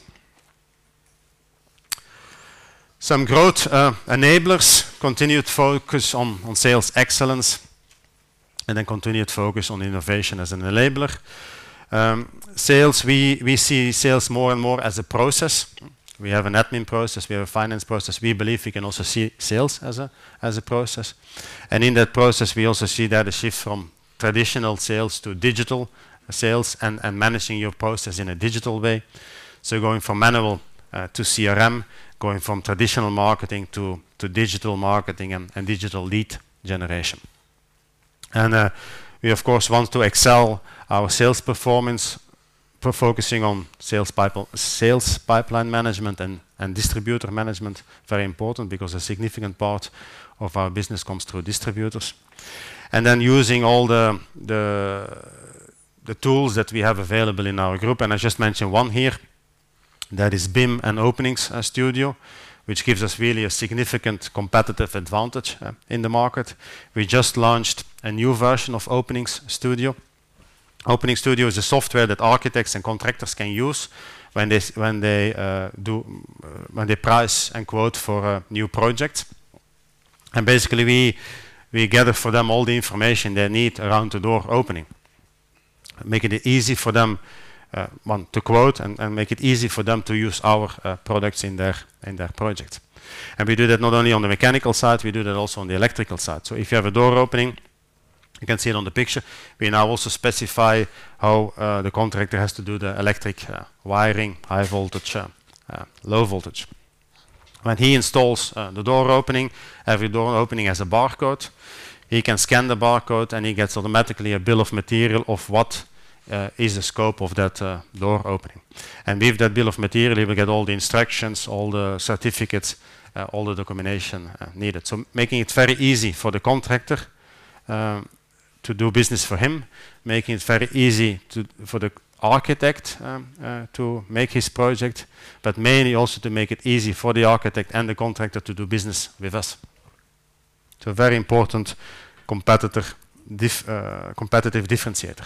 Speaker 1: Some growth enablers, continued focus on sales excellence, continued focus on innovation as an enabler. We see sales more and more as a process. We have an admin process. We have a finance process. We believe we can also see sales as a process. In that process, we also see that a shift from traditional sales to digital sales and managing your process in a digital way. Going from manual to CRM, going from traditional marketing to digital marketing and digital lead generation. We, of course, want to excel our sales performance by focusing on sales pipeline management and distributor management. Very important, because a significant part of our business comes through distributors. Using all the tools that we have available in our group, I just mentioned one here, that is BIM and Openings Studio, which gives us really a significant competitive advantage in the market. We just launched a new version of Openings Studio. Openings Studio is a software that architects and contractors can use when they price and quote for a new project. Basically, we gather for them all the information they need around the door opening, making it easy for them, one, to quote, and make it easy for them to use our products in their project. We do that not only on the mechanical side, we do that also on the electrical side. If you have a door opening, you can see it on the picture. We now also specify how the contractor has to do the electric wiring, high voltage, low voltage. When he installs the door opening, every door opening has a barcode. He can scan the barcode, and he gets automatically a bill of material of what is the scope of that door opening. With that bill of material, he will get all the instructions, all the certificates, all the documentation needed. Making it very easy for the contractor to do business for him, making it very easy for the architect to make his project, but mainly also to make it easy for the architect and the contractor to do business with us. It's a very important competitive differentiator.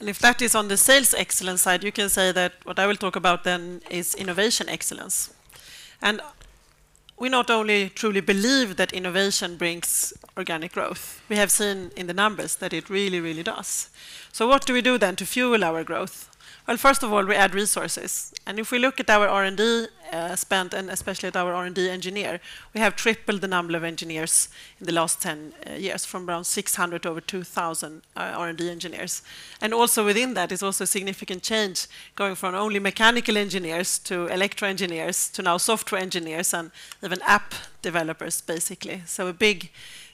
Speaker 2: If that is on the sales excellence side, you can say that what I will talk about then is innovation excellence. We not only truly believe that innovation brings organic growth, we have seen in the numbers that it really does. What do we do then to fuel our growth? First of all, we add resources. If we look at our R&D spend, and especially at our R&D engineer, we have tripled the number of engineers in the last 10 years from around 600 to over 2,000 R&D engineers. Also within that is also a significant change, going from only mechanical engineers to electrical engineers, to now software engineers and even app developers, basically. A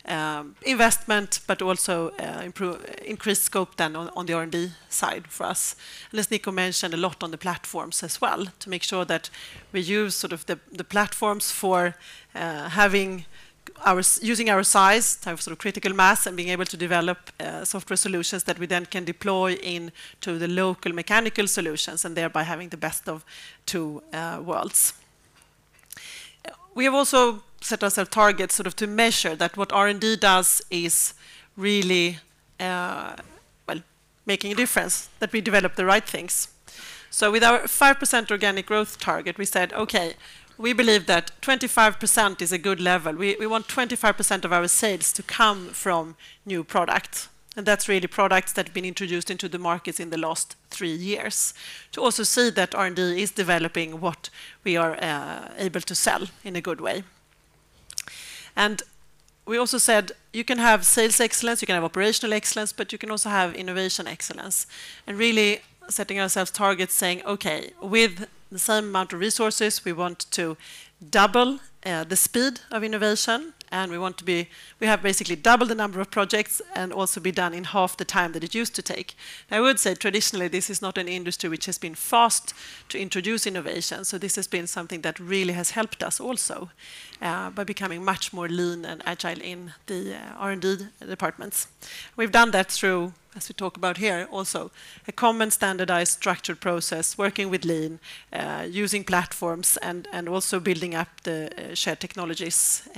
Speaker 2: big investment, but also increased scope then on the R&D side for us. As Nico mentioned, a lot on the platforms as well, to make sure that we use the platforms for using our size to have critical mass and being able to develop software solutions that we then can deploy into the local mechanical solutions and thereby having the best of two worlds. We have also set ourselves targets to measure that what R&D does is really making a difference, that we develop the right things. With our 5% organic growth target, we said, "Okay, we believe that 25% is a good level." We want 25% of our sales to come from new products. That's really products that have been introduced into the markets in the last three years. To also see that R&D is developing what we are able to sell in a good way. We also said you can have sales excellence, you can have operational excellence, but you can also have innovation excellence. Really setting ourselves targets, saying, "Okay, with the same amount of resources, we want to double the speed of innovation, and we have basically double the number of projects and also be done in half the time that it used to take." I would say traditionally, this is not an industry which has been fast to introduce innovation, so this has been something that really has helped us also, by becoming much more Lean and agile in the R&D departments. We've done that through, as we talk about here also, a common standardized structured process, working with Lean, using platforms, and also building up the shared technologies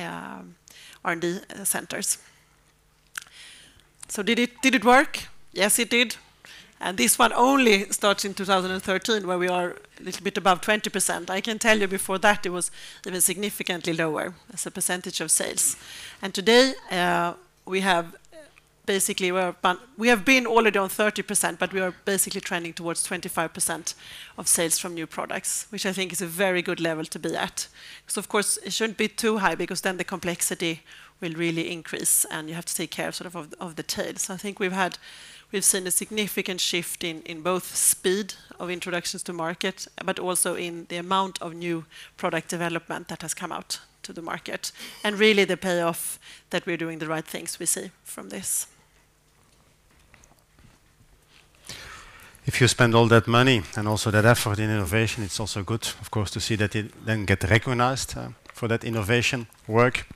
Speaker 2: R&D centers. Did it work? Yes, it did. This one only starts in 2013, where we are a little bit above 20%. I can tell you before that it was significantly lower as a percentage of sales. Today, we have been already on 30%, but we are basically trending towards 25% of sales from new products, which I think is a very good level to be at. Because, of course, it shouldn't be too high, because then the complexity will really increase, and you have to take care of the tails. I think we've seen a significant shift in both speed of introductions to market, but also in the amount of new product development that has come out to the market. Really the payoff that we're doing the right things we see from this.
Speaker 1: If you spend all that money and also that effort in innovation, it's also good, of course, to see that it then get recognized for that innovation work.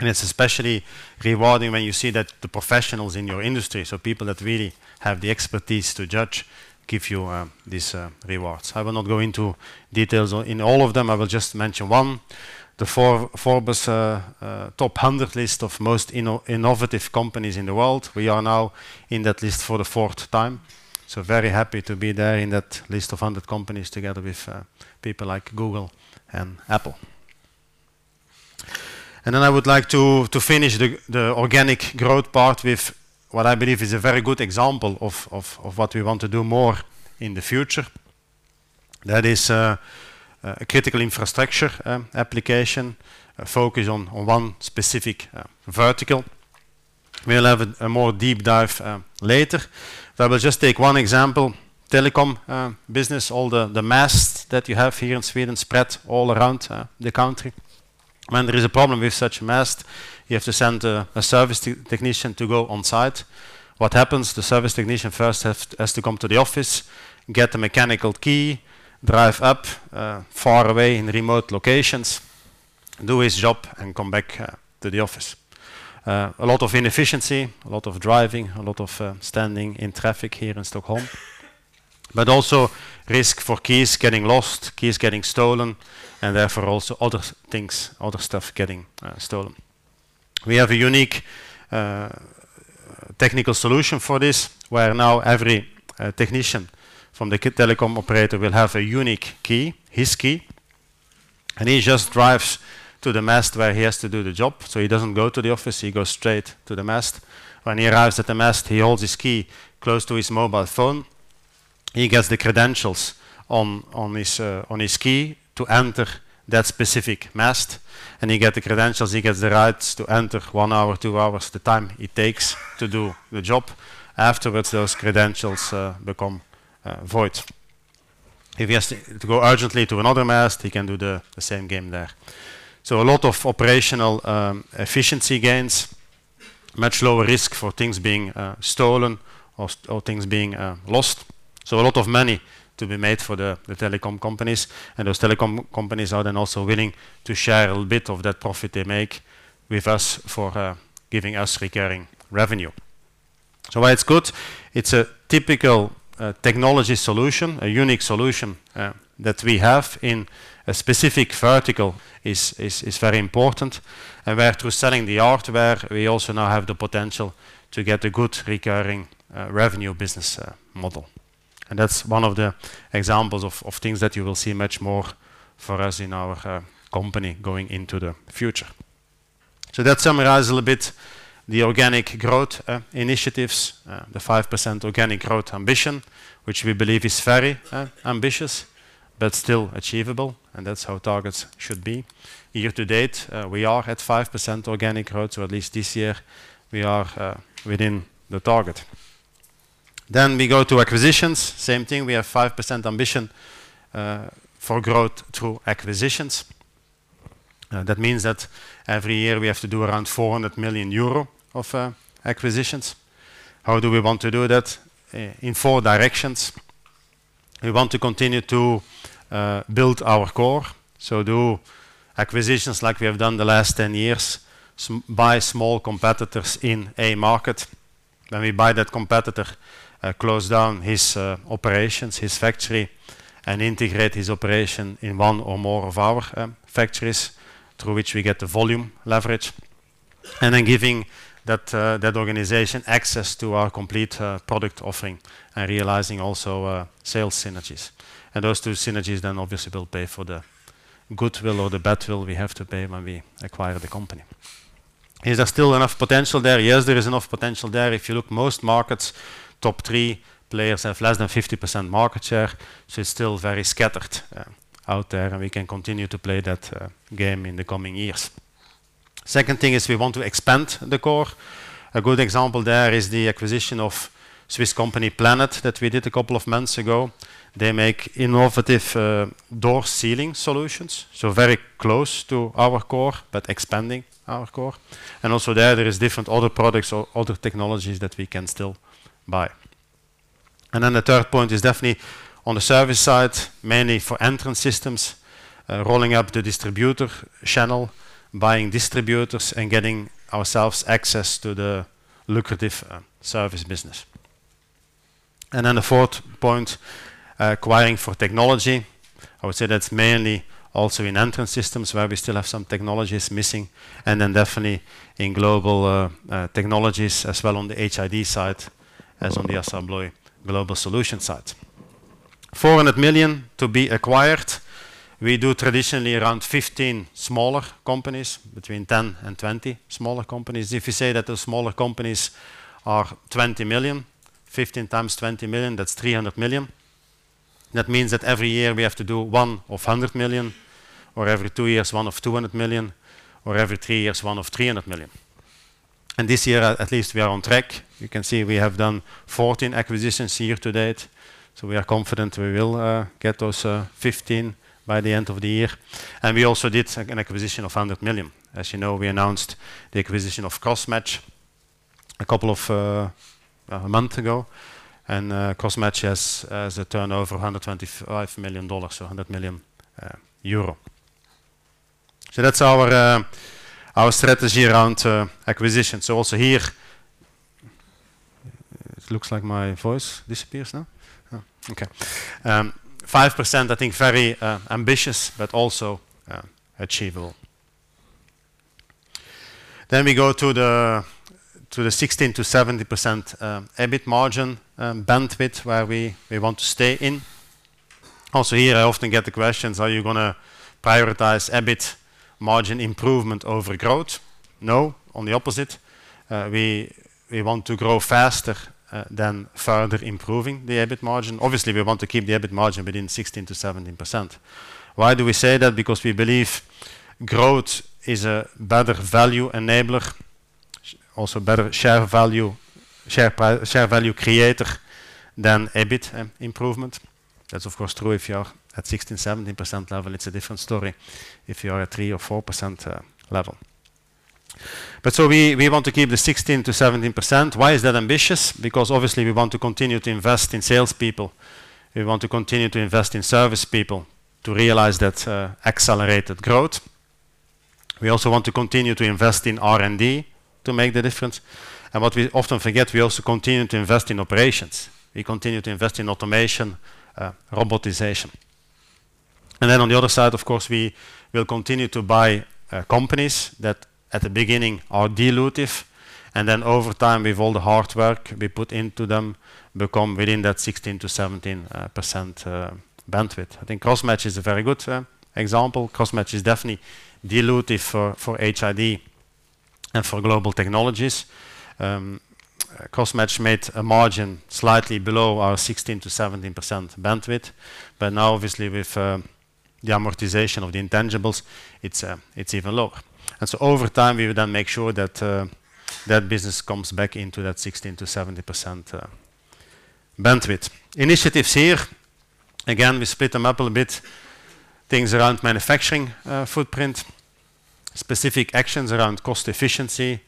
Speaker 1: It's especially rewarding when you see that the professionals in your industry, so people that really have the expertise to judge, give you these rewards. I will not go into details in all of them. I will just mention one, the Forbes top 100 list of most innovative companies in the world. We are now in that list for the fourth time. Very happy to be there in that list of 100 companies together with people like Google and Apple. Then I would like to finish the organic growth part with what I believe is a very good example of what we want to do more in the future. That is a critical infrastructure application focused on one specific vertical. We will have a more deep dive later, but I will just take one example. Telecom business, all the masts that you have here in Sweden spread all around the country. When there is a problem with such mast, you have to send a service technician to go on site. What happens, the service technician first has to come to the office, get the mechanical key, drive up far away in remote locations, do his job, and come back to the office. A lot of inefficiency, a lot of driving, a lot of standing in traffic here in Stockholm, but also risk for keys getting lost, keys getting stolen, and therefore also other stuff getting stolen. We have a unique technical solution for this, where now every technician from the telecom operator will have a unique key, his key, and he just drives to the mast where he has to do the job. He doesn't go to the office, he goes straight to the mast. When he arrives at the mast, he holds his key close to his mobile phone. He gets the credentials on his key to enter that specific mast, he gets the credentials, he gets the rights to enter one hour, two hours, the time it takes to do the job. Afterwards, those credentials become void. If he has to go urgently to another mast, he can do the same game there. A lot of operational efficiency gains, much lower risk for things being stolen or things being lost. A lot of money to be made for the telecom companies, and those telecom companies are then also willing to share a little bit of that profit they make with us for giving us recurring revenue. Why it's good? It's a typical technology solution. A unique solution that we have in a specific vertical is very important. Where through selling the hardware, we also now have the potential to get a good recurring revenue business model. That's one of the examples of things that you will see much more for us in our company going into the future. That summarizes a little bit the organic growth initiatives, the 5% organic growth ambition, which we believe is very ambitious, but still achievable, and that's how targets should be. Year to date, we are at 5% organic growth, or at least this year we are within the target. We go to acquisitions, same thing, we have 5% ambition for growth through acquisitions. That means that every year we have to do around 400 million euro of acquisitions. How do we want to do that? In four directions. We want to continue to build our core, do acquisitions like we have done the last 10 years, buy small competitors in a market. When we buy that competitor, close down his operations, his factory, integrate his operation in one or more of our factories, through which we get the volume leverage, giving that organization access to our complete product offering and realizing also sales synergies. Those two synergies obviously will pay for the goodwill or the badwill we have to pay when we acquire the company. Is there still enough potential there? Yes, there is enough potential there. If you look, most markets, top three players have less than 50% market share, it's still very scattered out there, and we can continue to play that game in the coming years. Second thing is we want to expand the core. A good example there is the acquisition of Swiss company Planet GDZ that we did a couple of months ago. They make innovative door sealing solutions, very close to our core, but expanding our core. Also there is different other products or other technologies that we can still buy. The third point is definitely on the service side, mainly for Entrance Systems, rolling up the distributor channel, buying distributors, and getting ourselves access to the lucrative service business. The fourth point, acquiring for technology. I would say that's mainly also in Entrance Systems where we still have some technologies missing, and then definitely in Global Technologies as well on the HID side, as on ASSA ABLOY Global Solutions side. 400 million to be acquired. We do traditionally around 15 smaller companies, between 10 and 20 smaller companies. If you say that those smaller companies are 20 million, 15 times 20 million, that's 300 million. That means that every year we have to do one of 100 million, or every two years, one of 200 million, or every three years, one of 300 million. This year, at least we are on track. You can see we have done 14 acquisitions year to date. We are confident we will get those 15 by the end of the year. We also did an acquisition of 100 million. As you know, we announced the acquisition of Crossmatch a month ago. Crossmatch has a turnover of $125 million, so EUR 100 million. That's our strategy around acquisition. Also here, it looks like my voice disappears now. Oh, okay. 5%, I think very ambitious, but also achievable. We go to the 16%-17% EBIT margin bandwidth where we want to stay in. Here, I often get the questions, are you going to prioritize EBIT margin improvement over growth? No, on the opposite. We want to grow faster than further improving the EBIT margin. Obviously, we want to keep the EBIT margin within 16%-17%. Why do we say that? We believe growth is a better value enabler, also better share value creator than EBIT improvement. That's, of course, true if you are at 16%-17% level. It's a different story if you are at 3% or 4% level. We want to keep the 16%-17%. Why is that ambitious? Obviously we want to continue to invest in salespeople. We want to continue to invest in service people to realize that accelerated growth. We also want to continue to invest in R&D to make the difference. What we often forget, we also continue to invest in operations. We continue to invest in automation, robotization. On the other side, of course, we'll continue to buy companies that at the beginning are dilutive, and then over time, with all the hard work we put into them, become within that 16%-17% bandwidth. I think Crossmatch is a very good example. Crossmatch is definitely dilutive for HID and for Global Technologies. Crossmatch made a margin slightly below our 16%-17% bandwidth. Now, obviously, with the amortization of the intangibles, it's even lower. Over time, we would then make sure that that business comes back into that 16%-17% bandwidth. Initiatives here, again, we split them up a little bit, things around manufacturing footprint, specific actions around cost efficiency,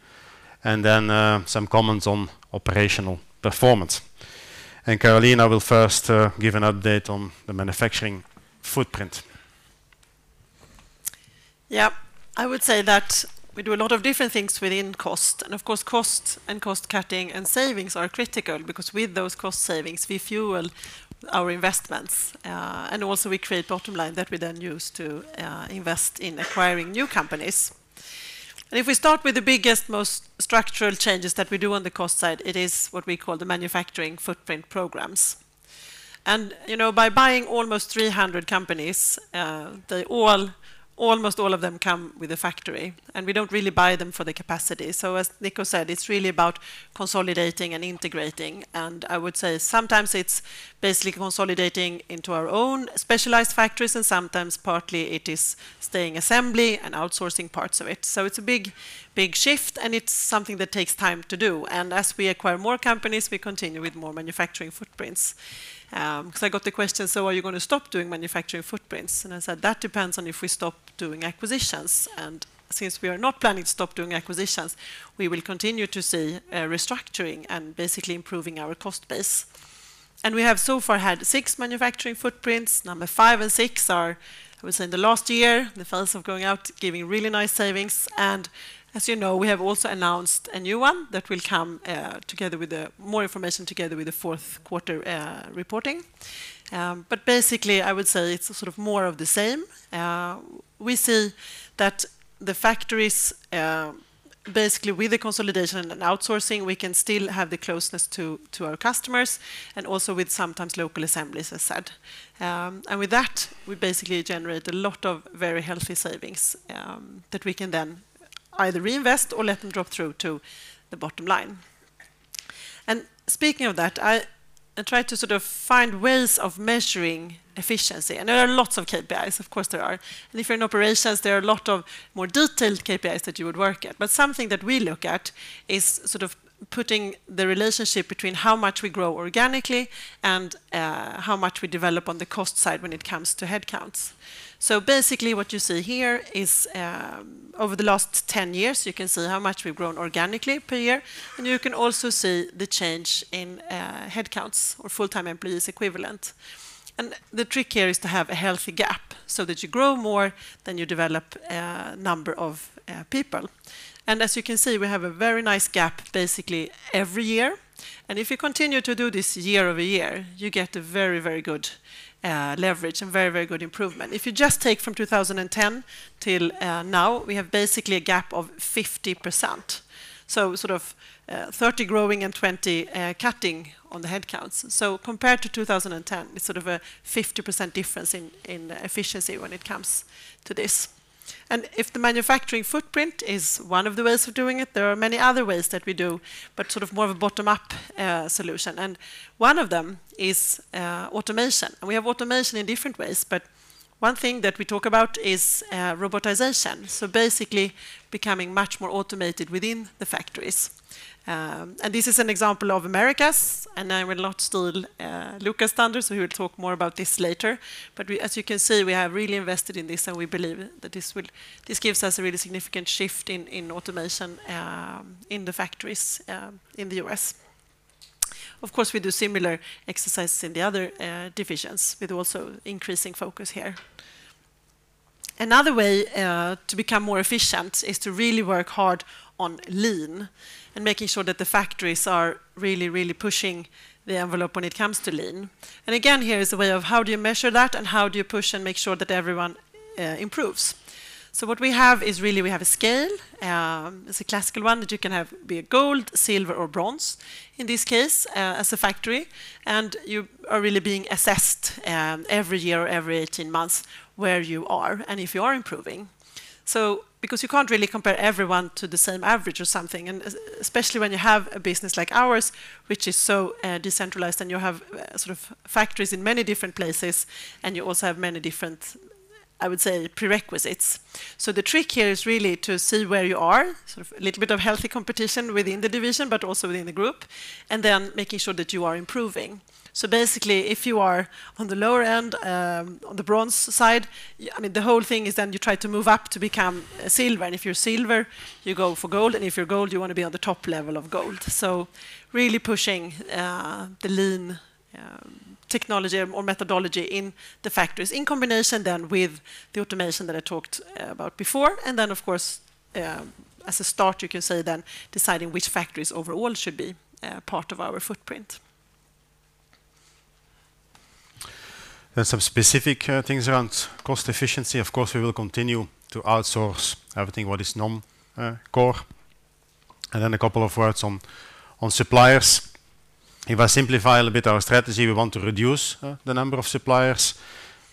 Speaker 1: and then some comments on operational performance. Carolina will first give an update on the manufacturing footprint.
Speaker 2: I would say that we do a lot of different things within cost. Of course, cost and cost-cutting and savings are critical because with those cost savings, we fuel our investments. Also we create bottom line that we then use to invest in acquiring new companies. If we start with the biggest, most structural changes that we do on the cost side, it is what we call the manufacturing footprint programs. By buying almost 300 companies, almost all of them come with a factory, and we don't really buy them for the capacity. As Nico said, it's really about consolidating and integrating, I would say sometimes it's basically consolidating into our own specialized factories, and sometimes partly it is staying assembly and outsourcing parts of it. It's a big, big shift and it's something that takes time to do. As we acquire more companies, we continue with more manufacturing footprints. Because I got the question, "Are you going to stop doing manufacturing footprints?" I said, "That depends on if we stop doing acquisitions." Since we are not planning to stop doing acquisitions, we will continue to see restructuring and basically improving our cost base. We have so far had six manufacturing footprints. Number five and six are, I would say, in the last year, the phase of going out, giving really nice savings. As you know, we have also announced a new one that will come together with more information together with the fourth quarter reporting. Basically, I would say it's sort of more of the same. We see that the factories, basically with the consolidation and outsourcing, we can still have the closeness to our customers and also with sometimes local assemblies, as said. With that, we basically generate a lot of very healthy savings that we can then either reinvest or let them drop through to the bottom line. Speaking of that, I try to sort of find ways of measuring efficiency, there are lots of KPIs, of course there are. If you're in operations, there are a lot of more detailed KPIs that you would work at. Something that we look at is sort of putting the relationship between how much we grow organically and how much we develop on the cost side when it comes to headcounts. Basically what you see here is, over the last 10 years, you can see how much we've grown organically per year, and you can also see the change in headcounts or full-time employees equivalent. The trick here is to have a healthy gap so that you grow more than you develop number of people. As you can see, we have a very nice gap basically every year. If you continue to do this year over year, you get a very good leverage and very good improvement. If you just take from 2010 till now, we have basically a gap of 50%. Sort of 30 growing and 20 cutting on the headcounts. Compared to 2010, it's sort of a 50% difference in efficiency when it comes to this. If the manufacturing footprint is one of the ways of doing it, there are many other ways that we do, but sort of more of a bottom-up solution. One of them is automation. We have automation in different ways, but one thing that we talk about is robotization. Basically becoming much more automated within the factories. This is an example of Americas, I will not steal Lucas' thunder. He will talk more about this later. As you can see, we have really invested in this. We believe that this gives us a really significant shift in automation in the factories in the U.S.. Of course, we do similar exercises in the other divisions with also increasing focus here. Another way to become more efficient is to really work hard on Lean and making sure that the factories are really pushing the envelope when it comes to Lean. Again, here is a way of how do you measure that and how do you push and make sure that everyone improves. What we have is really, we have a scale. It's a classical one that you can have, be it gold, silver, or bronze, in this case, as a factory. You are really being assessed every year or every 18 months where you are and if you are improving. You can't really compare everyone to the same average or something, especially when you have a business like ours, which is so decentralized. You have factories in many different places. You also have many different, I would say, prerequisites. The trick here is really to see where you are, sort of a little bit of healthy competition within the division, but also within the group, making sure that you are improving. If you are on the lower end, on the bronze side, the whole thing is then you try to move up to become silver. If you're silver, you go for gold. If you're gold, you want to be on the top level of gold. Really pushing the Lean technology or methodology in the factories in combination then with the automation that I talked about before. Of course, as a start, you can say then deciding which factories overall should be part of our footprint.
Speaker 1: There's some specific things around cost efficiency. Of course, we will continue to outsource everything what is non-core. A couple of words on suppliers. If I simplify a little bit our strategy, we want to reduce the number of suppliers.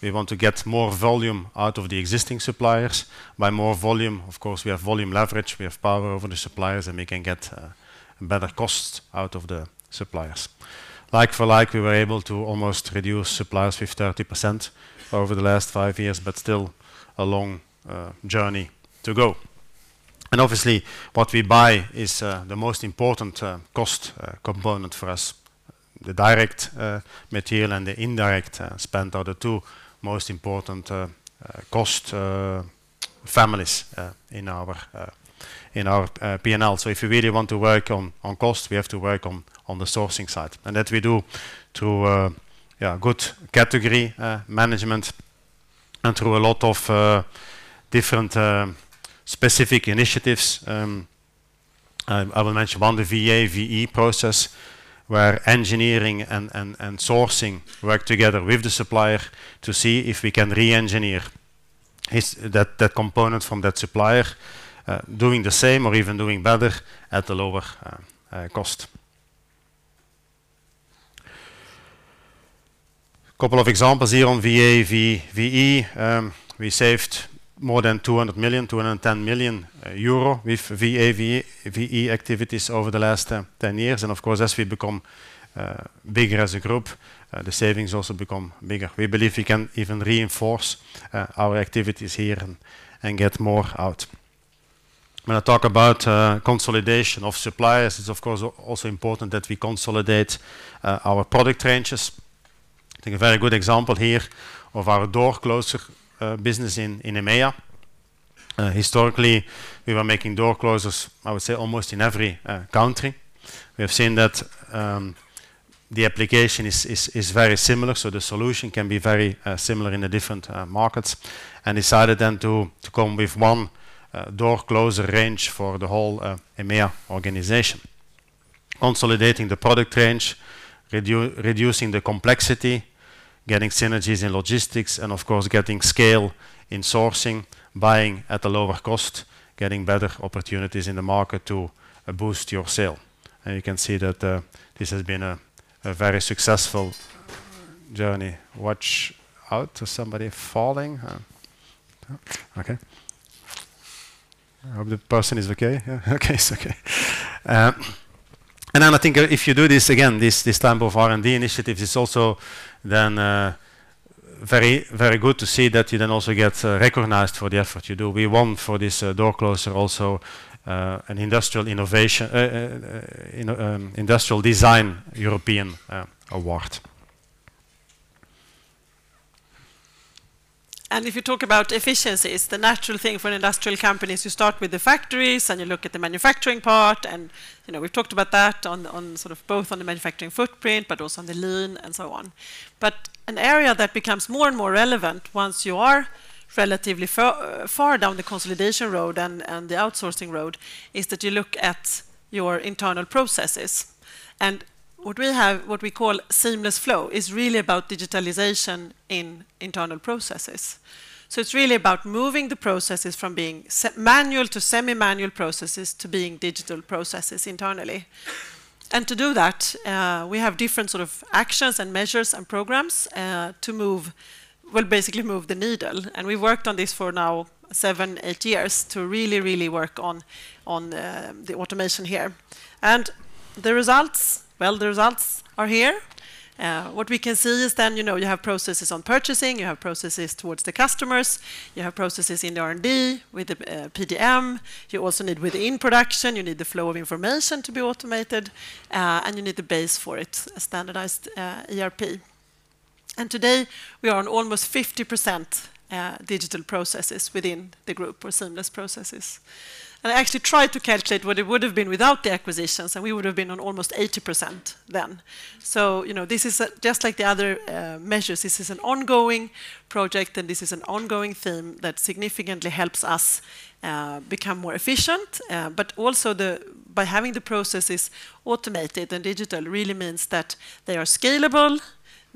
Speaker 1: We want to get more volume out of the existing suppliers. By more volume, of course, we have volume leverage, we have power over the suppliers. We can get better costs out of the suppliers. Like for like, we were able to almost reduce suppliers with 30% over the last five years. Still a long journey to go. Obviously, what we buy is the most important cost component for us. The direct material and the indirect spend are the two most important cost families in our P&L. If you really want to work on cost, we have to work on the sourcing side. That we do through good category management and through a lot of different specific initiatives. I will mention one, the VA/VE process, where engineering and sourcing work together with the supplier to see if we can re-engineer that component from that supplier, doing the same or even doing better at a lower cost. A couple of examples here on VA/VE. We saved more than 200 million-210 million euro with VA/VE activities over the last 10 years. Of course, as we become bigger as a group, the savings also become bigger. We believe we can even reinforce our activities here and get more out. When I talk about consolidation of suppliers, it's of course also important that we consolidate our product ranges. I think a very good example here of our door closer business in EMEA. Historically, we were making door closers, I would say, almost in every country. We have seen that the application is very similar, so the solution can be very similar in the different markets, and decided then to come with one door closer range for the whole EMEA organization. Consolidating the product range, reducing the complexity, getting synergies in logistics, and of course, getting scale in sourcing, buying at a lower cost, getting better opportunities in the market to boost your sale. You can see that this has been a very successful journey. Watch out to somebody falling. Okay. I hope the person is okay. Yeah. Okay, he's okay. I think if you do this, again, this type of R&D initiatives, it's also then very good to see that you then also get recognized for the effort you do. We won for this door closer also, an Industrial Design European Award.
Speaker 2: If you talk about efficiency, it's the natural thing for an industrial company is you start with the factories, and you look at the manufacturing part, and we've talked about that both on the manufacturing footprint, but also on the Lean and so on. An area that becomes more and more relevant once you are relatively far down the consolidation road and the outsourcing road, is that you look at your internal processes. What we have, what we call seamless flow, is really about digitalization in internal processes. It's really about moving the processes from being manual to semi-manual processes to being digital processes internally. To do that, we have different sort of actions and measures and programs to, well, basically move the needle. We've worked on this for now seven, eight years to really work on the automation here. The results? Well, the results are here. What we can see is, you have processes on purchasing, you have processes towards the customers, you have processes in the R&D with the PDM. You also need within production, you need the flow of information to be automated, and you need the base for it, a standardized ERP. Today, we are on almost 50% digital processes within the group or seamless processes. I actually tried to calculate what it would've been without the acquisitions, and we would've been on almost 80% then. This is just like the other measures. This is an ongoing project, and this is an ongoing theme that significantly helps us become more efficient. Also by having the processes automated and digital really means that they are scalable.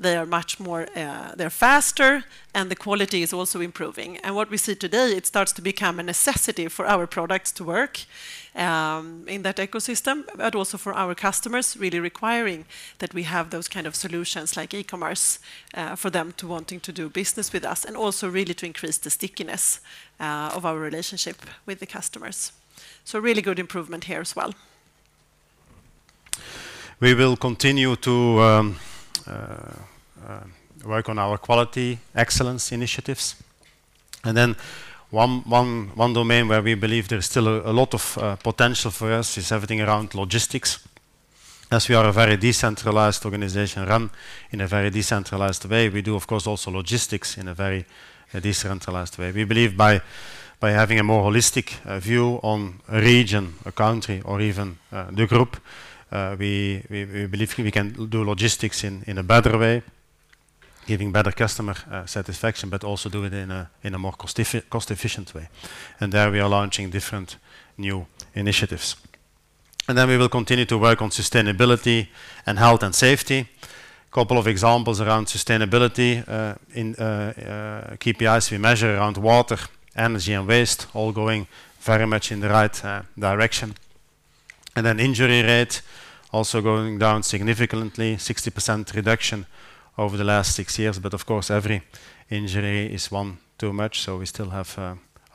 Speaker 2: They are faster, and the quality is also improving. What we see today, it starts to become a necessity for our products to work in that ecosystem, also for our customers, really requiring that we have those kind of solutions like e-commerce for them to wanting to do business with us and also really to increase the stickiness of our relationship with the customers. Really good improvement here as well.
Speaker 1: We will continue to work on our quality excellence initiatives. One domain where we believe there is still a lot of potential for us is everything around logistics. As we are a very decentralized organization run in a very decentralized way, we do, of course, also logistics in a very decentralized way. We believe by having a more holistic view on a region, a country, or even the group, we believe we can do logistics in a better way, giving better customer satisfaction, also do it in a more cost-efficient way. There we are launching different new initiatives. We will continue to work on sustainability and health and safety. Couple of examples around sustainability, in KPIs we measure around water, energy, and waste, all going very much in the right direction. Injury rate also going down significantly, 60% reduction over the last six years. Of course, every injury is one too much, so we still have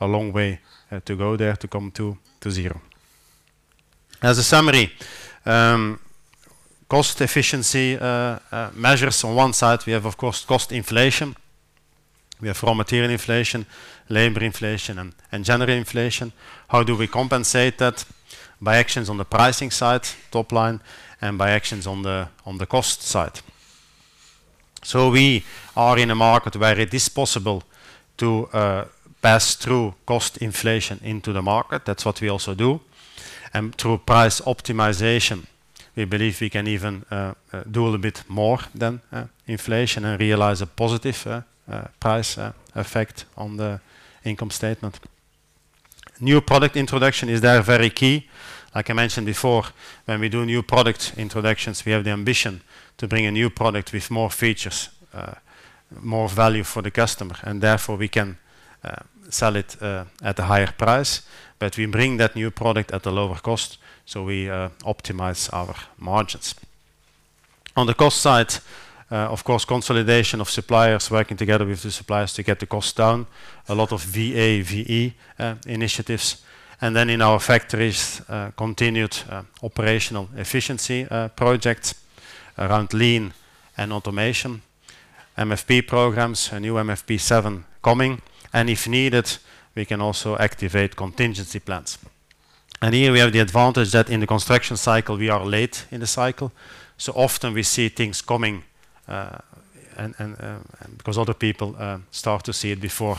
Speaker 1: a long way to go there to come to zero. As a summary, cost efficiency measures on one side, we have, of course, cost inflation. We have raw material inflation, labor inflation, and general inflation. How do we compensate that? By actions on the pricing side, top line, and by actions on the cost side. We are in a market where it is possible to pass through cost inflation into the market. That's what we also do. Through price optimization, we believe we can even do a little bit more than inflation and realize a positive price effect on the income statement. New product introduction is there very key. Like I mentioned before, when we do new product introductions, we have the ambition to bring a new product with more features, more value for the customer, and therefore we can sell it at a higher price. We bring that new product at a lower cost, so we optimize our margins. On the cost side, of course, consolidation of suppliers, working together with the suppliers to get the cost down, a lot of VA/VE initiatives. In our factories, continued operational efficiency projects around Lean and automation, MFP programs, a new MFP 7 coming. If needed, we can also activate contingency plans. Here we have the advantage that in the construction cycle, we are late in the cycle. Often we see things coming because other people start to see it before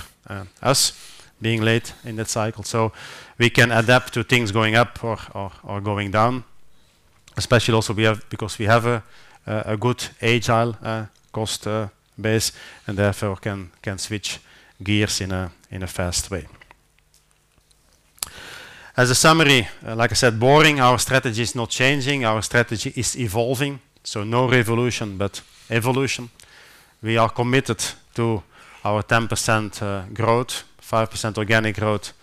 Speaker 1: us being late in that cycle. We can adapt to things going up or going down, especially also because we have a good agile cost base and therefore can switch gears in a fast way. As a summary, like I said, boring, our strategy is not changing, our strategy is evolving. No revolution, but evolution. We are committed to our 10% growth, 5% organic growth,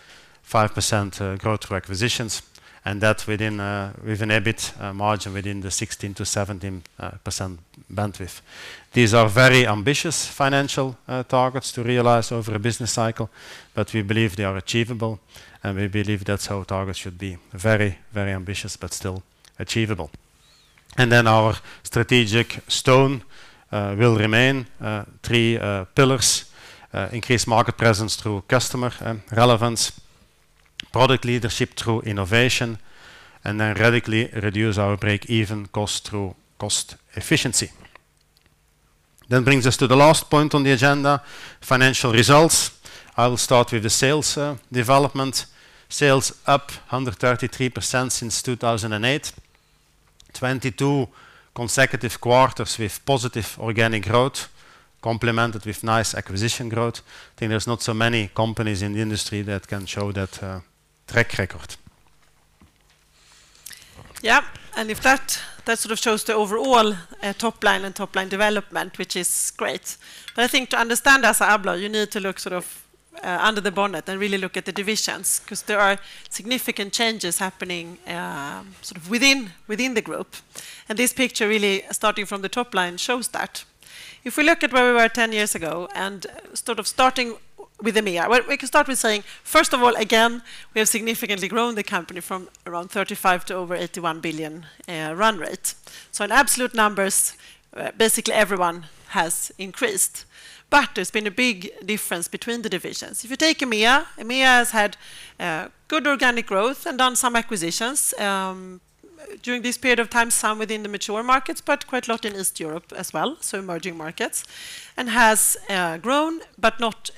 Speaker 1: 5% growth through acquisitions, and that with an EBIT margin within the 16%-17% bandwidth. These are very ambitious financial targets to realize over a business cycle, but we believe they are achievable, and we believe that's how targets should be very ambitious, but still achievable. Our strategic stone will remain three pillars, increased market presence through customer relevance, product leadership through innovation, and then radically reduce our break-even cost through cost efficiency. That brings us to the last point on the agenda, financial results. I will start with the sales development. Sales up 133% since 2008, 22 consecutive quarters with positive organic growth, complemented with nice acquisition growth. I think there's not so many companies in the industry that can show that track record.
Speaker 2: Yeah. That sort of shows the overall top line and top-line development, which is great. I think to understand ASSA ABLOY, you need to look sort of under the bonnet and really look at the divisions because there are significant changes happening sort of within the group. This picture really, starting from the top line, shows that. If we look at where we were 10 years ago and sort of starting with EMEA, well, we can start with saying, first of all, again, we have significantly grown the company from around 35 billion to over 81 billion run rate. In absolute numbers, basically everyone has increased. There's been a big difference between the divisions. If you take EMEA has had good organic growth and done some acquisitions, during this period of time, some within the mature markets, but quite a lot in East Europe as well, so emerging markets, has grown, but not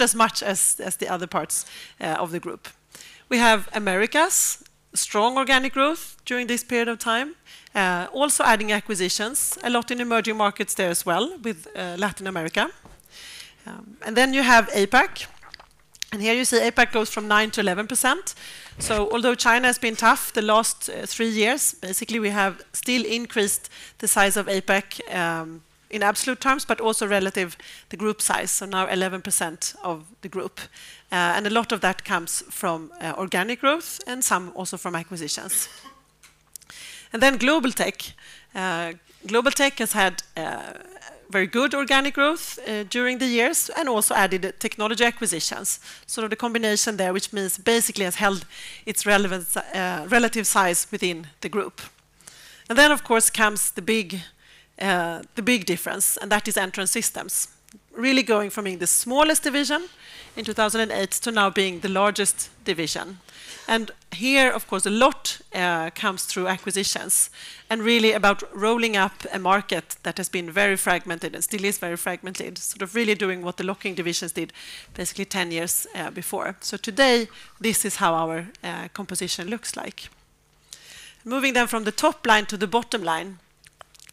Speaker 2: as much as the other parts of the group. We have Americas, strong organic growth during this period of time. Also adding acquisitions, a lot in emerging markets there as well with Latin America. You have APAC. Here you see APAC goes from 9% to 11%. Although China has been tough the last three years, basically, we have still increased the size of APAC, in absolute terms, but also relative the group size, now 11% of the group. A lot of that comes from organic growth and some also from acquisitions. Global Tech. Global Tech has had very good organic growth during the years and also added technology acquisitions. The combination there, which means basically has held its relevant relative size within the group. Of course comes the big difference, that is Entrance Systems. Really going from being the smallest division in 2008 to now being the largest division. Here, of course, a lot comes through acquisitions and really about rolling up a market that has been very fragmented and still is very fragmented, sort of really doing what the locking divisions did basically 10 years before. Today, this is how our composition looks like. Moving down from the top line to the bottom line,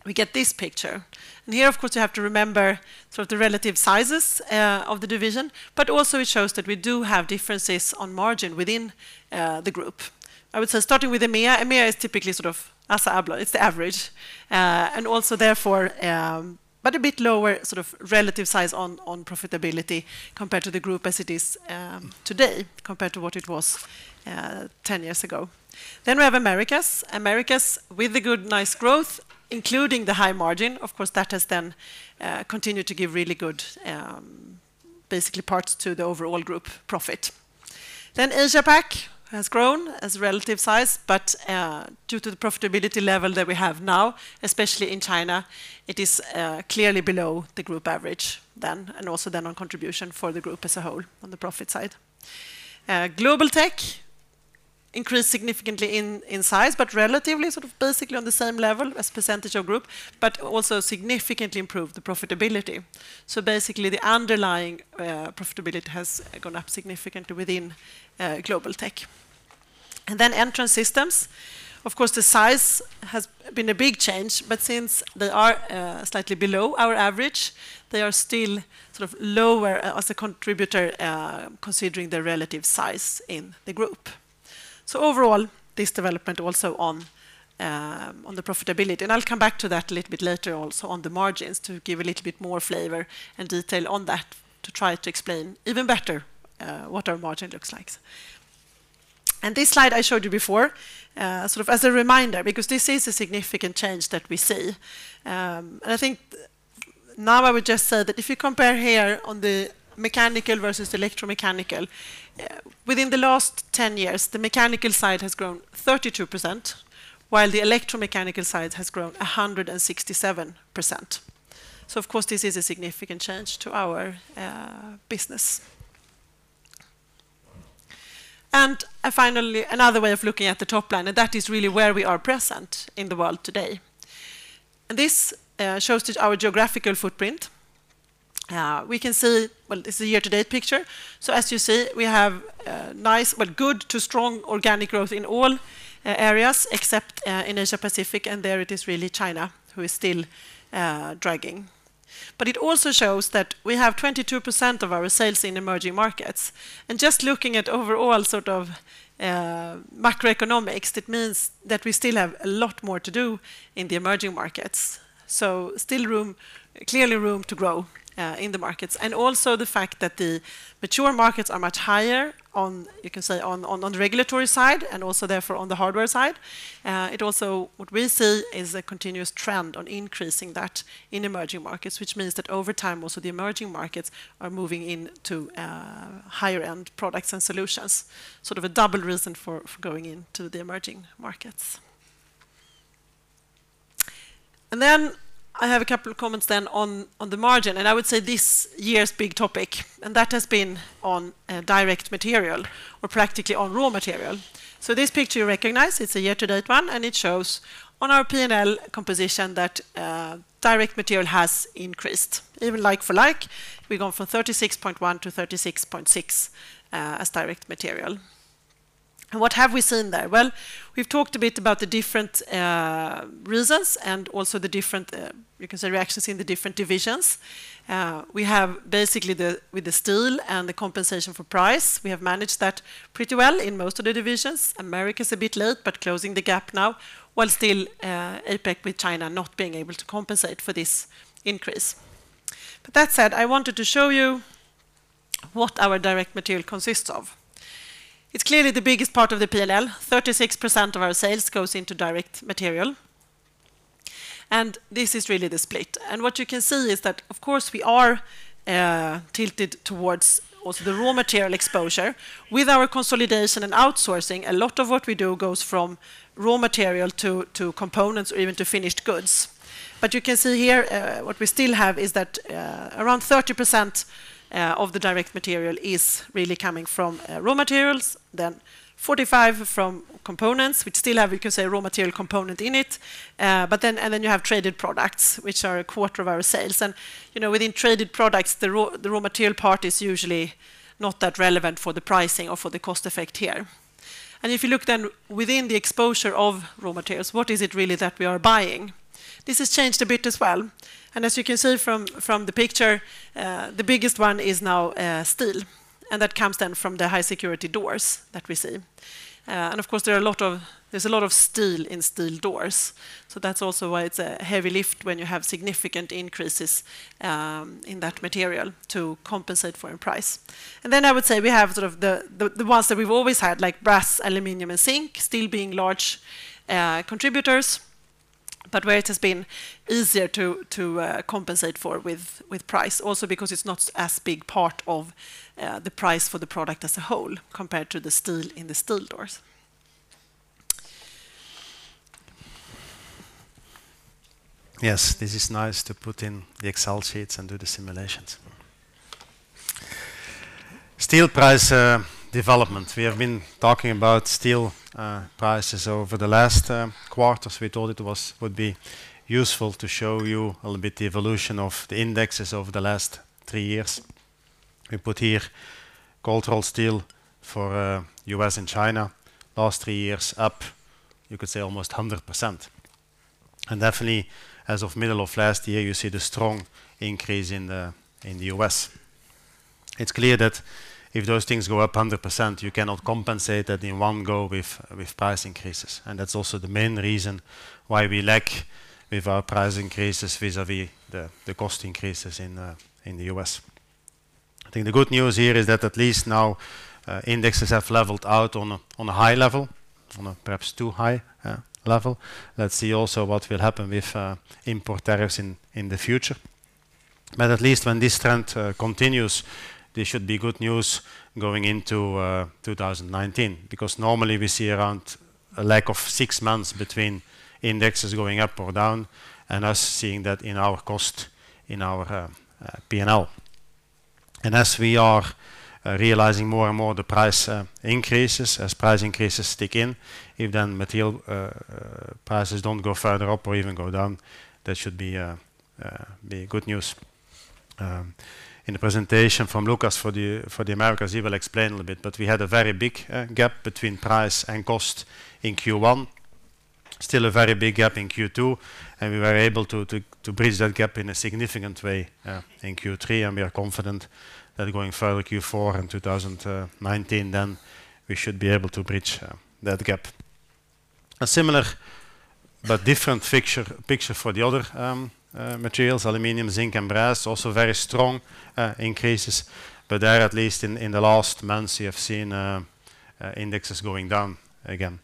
Speaker 2: we get this picture. Here, of course, you have to remember sort of the relative sizes of the division, but also it shows that we do have differences on margin within the group. I would say starting with EMEA. EMEA is typically sort of ASSA ABLOY. It's the average. A bit lower sort of relative size on profitability compared to the group as it is today compared to what it was 10 years ago. We have Americas. Americas with the good, nice growth, including the high margin. Of course, that has then continued to give really good, basically parts to the overall group profit. APAC has grown as a relative size, but due to the profitability level that we have now, especially in China, it is clearly below the group average then, and also then on contribution for the group as a whole on the profit side. Global Tech increased significantly in size, relatively sort of basically on the same level as percentage of group, but also significantly improved the profitability. Basically, the underlying profitability has gone up significantly within Global Tech. Entrance Systems. Of course, the size has been a big change, but since they are slightly below our average, they are still sort of lower as a contributor, considering the relative size in the group. Overall, this development also on the profitability, I'll come back to that a little bit later also on the margins to give a little bit more flavor and detail on that to try to explain even better, what our margin looks like. This slide I showed you before, sort of as a reminder, because this is a significant change that we see. I think now I would just say that if you compare here on the mechanical versus electromechanical, within the last 10 years, the mechanical side has grown 32%, while the electromechanical side has grown 167%. Of course, this is a significant change to our business. Finally, another way of looking at the top line, and that is really where we are present in the world today. This shows our geographical footprint. We can see, well, this is a year-to-date picture. As you see, we have nice, well, good to strong organic growth in all areas except in Asia-Pacific, and there it is really China who is still dragging. It also shows that we have 22% of our sales in emerging markets. Just looking at overall sort of macroeconomics, that means that we still have a lot more to do in the emerging markets. Still clearly room to grow in the markets. Also the fact that the mature markets are much higher on, you can say, on the regulatory side, and also therefore on the hardware side. What we see is a continuous trend on increasing that in emerging markets, which means that over time, also the emerging markets are moving into higher-end products and solutions. Sort of a double reason for going into the emerging markets. Then I have a couple of comments then on the margin, and I would say this year's big topic, and that has been on direct material or practically on raw material. This picture you recognize, it's a year-to-date one, and it shows on our P&L composition that direct material has increased. Even like for like, we've gone from 36.1 to 36.6 as direct material. What have we seen there? Well, we've talked a bit about the different reasons and also the different, you can say, reactions in the different divisions. We have basically with the steel and the compensation for price, we have managed that pretty well in most of the divisions. Americas a bit late, but closing the gap now, while still APAC with China not being able to compensate for this increase. That said, I wanted to show you what our direct material consists of. It's clearly the biggest part of the P&L. 36% of our sales goes into direct material. This is really the split. What you can see is that, of course, we are tilted towards also the raw material exposure. With our consolidation and outsourcing, a lot of what we do goes from raw material to components or even to finished goods. You can see here, what we still have is that around 30% of the direct material is really coming from raw materials, then 45% from components, which still have, you can say, raw material component in it. Then you have traded products, which are a quarter of our sales. Within traded products, the raw material part is usually not that relevant for the pricing or for the cost effect here. If you look then within the exposure of raw materials, what is it really that we are buying? This has changed a bit as well. As you can see from the picture, the biggest one is now steel, and that comes then from the high security doors that we see. Of course, there's a lot of steel in steel doors. That's also why it's a heavy lift when you have significant increases in that material to compensate for in price. I would say we have the ones that we've always had, like brass, aluminum, and zinc, still being large contributors, but where it has been easier to compensate for with price also because it's not as big part of the price for the product as a whole compared to the steel in the steel doors.
Speaker 1: This is nice to put in the Excel sheets and do the simulations. Steel price development. We have been talking about steel prices over the last quarters. We thought it would be useful to show you a little bit the evolution of the indexes over the last three years. We put here cold rolled steel for U.S. and China. Last three years up, you could say almost 100%. Definitely, as of middle of last year, you see the strong increase in the U.S.. It's clear that if those things go up 100%, you cannot compensate that in one go with price increases. That's also the main reason why we lack with our price increases vis-à-vis the cost increases in the U.S.. I think the good news here is that at least now, indexes have leveled out on a high level, on a perhaps too high level. Let's see also what will happen with import tariffs in the future. At least when this trend continues, this should be good news going into 2019, because normally we see around a lack of six months between indexes going up or down and us seeing that in our cost, in our P&L. As we are realizing more and more the price increases, as price increases stick in, if then material prices don't go further up or even go down, that should be good news. In the presentation from Lucas for the Americas, he will explain a little bit, but we had a very big gap between price and cost in Q1, still a very big gap in Q2, and we were able to bridge that gap in a significant way in Q3, and we are confident that going forward Q4 and 2019, then we should be able to bridge that gap. A similar but different picture for the other materials, aluminum, zinc, and brass, also very strong increases, but there, at least in the last months, we have seen indexes going down again.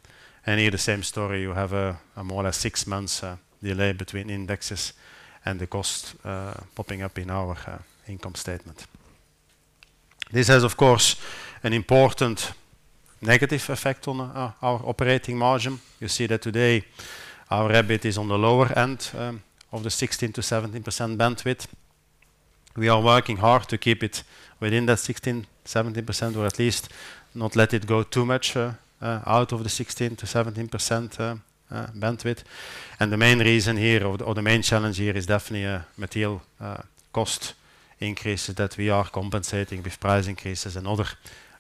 Speaker 1: Here, the same story, you have a more or less six months delay between indexes and the cost popping up in our income statement. This has, of course, an important negative effect on our operating margin. You see that today our EBIT is on the lower end of the 16%-17% bandwidth. We are working hard to keep it within that 16%, 17%, or at least not let it go too much out of the 16%-17% bandwidth. The main reason here, or the main challenge here is definitely material cost increases that we are compensating with price increases and other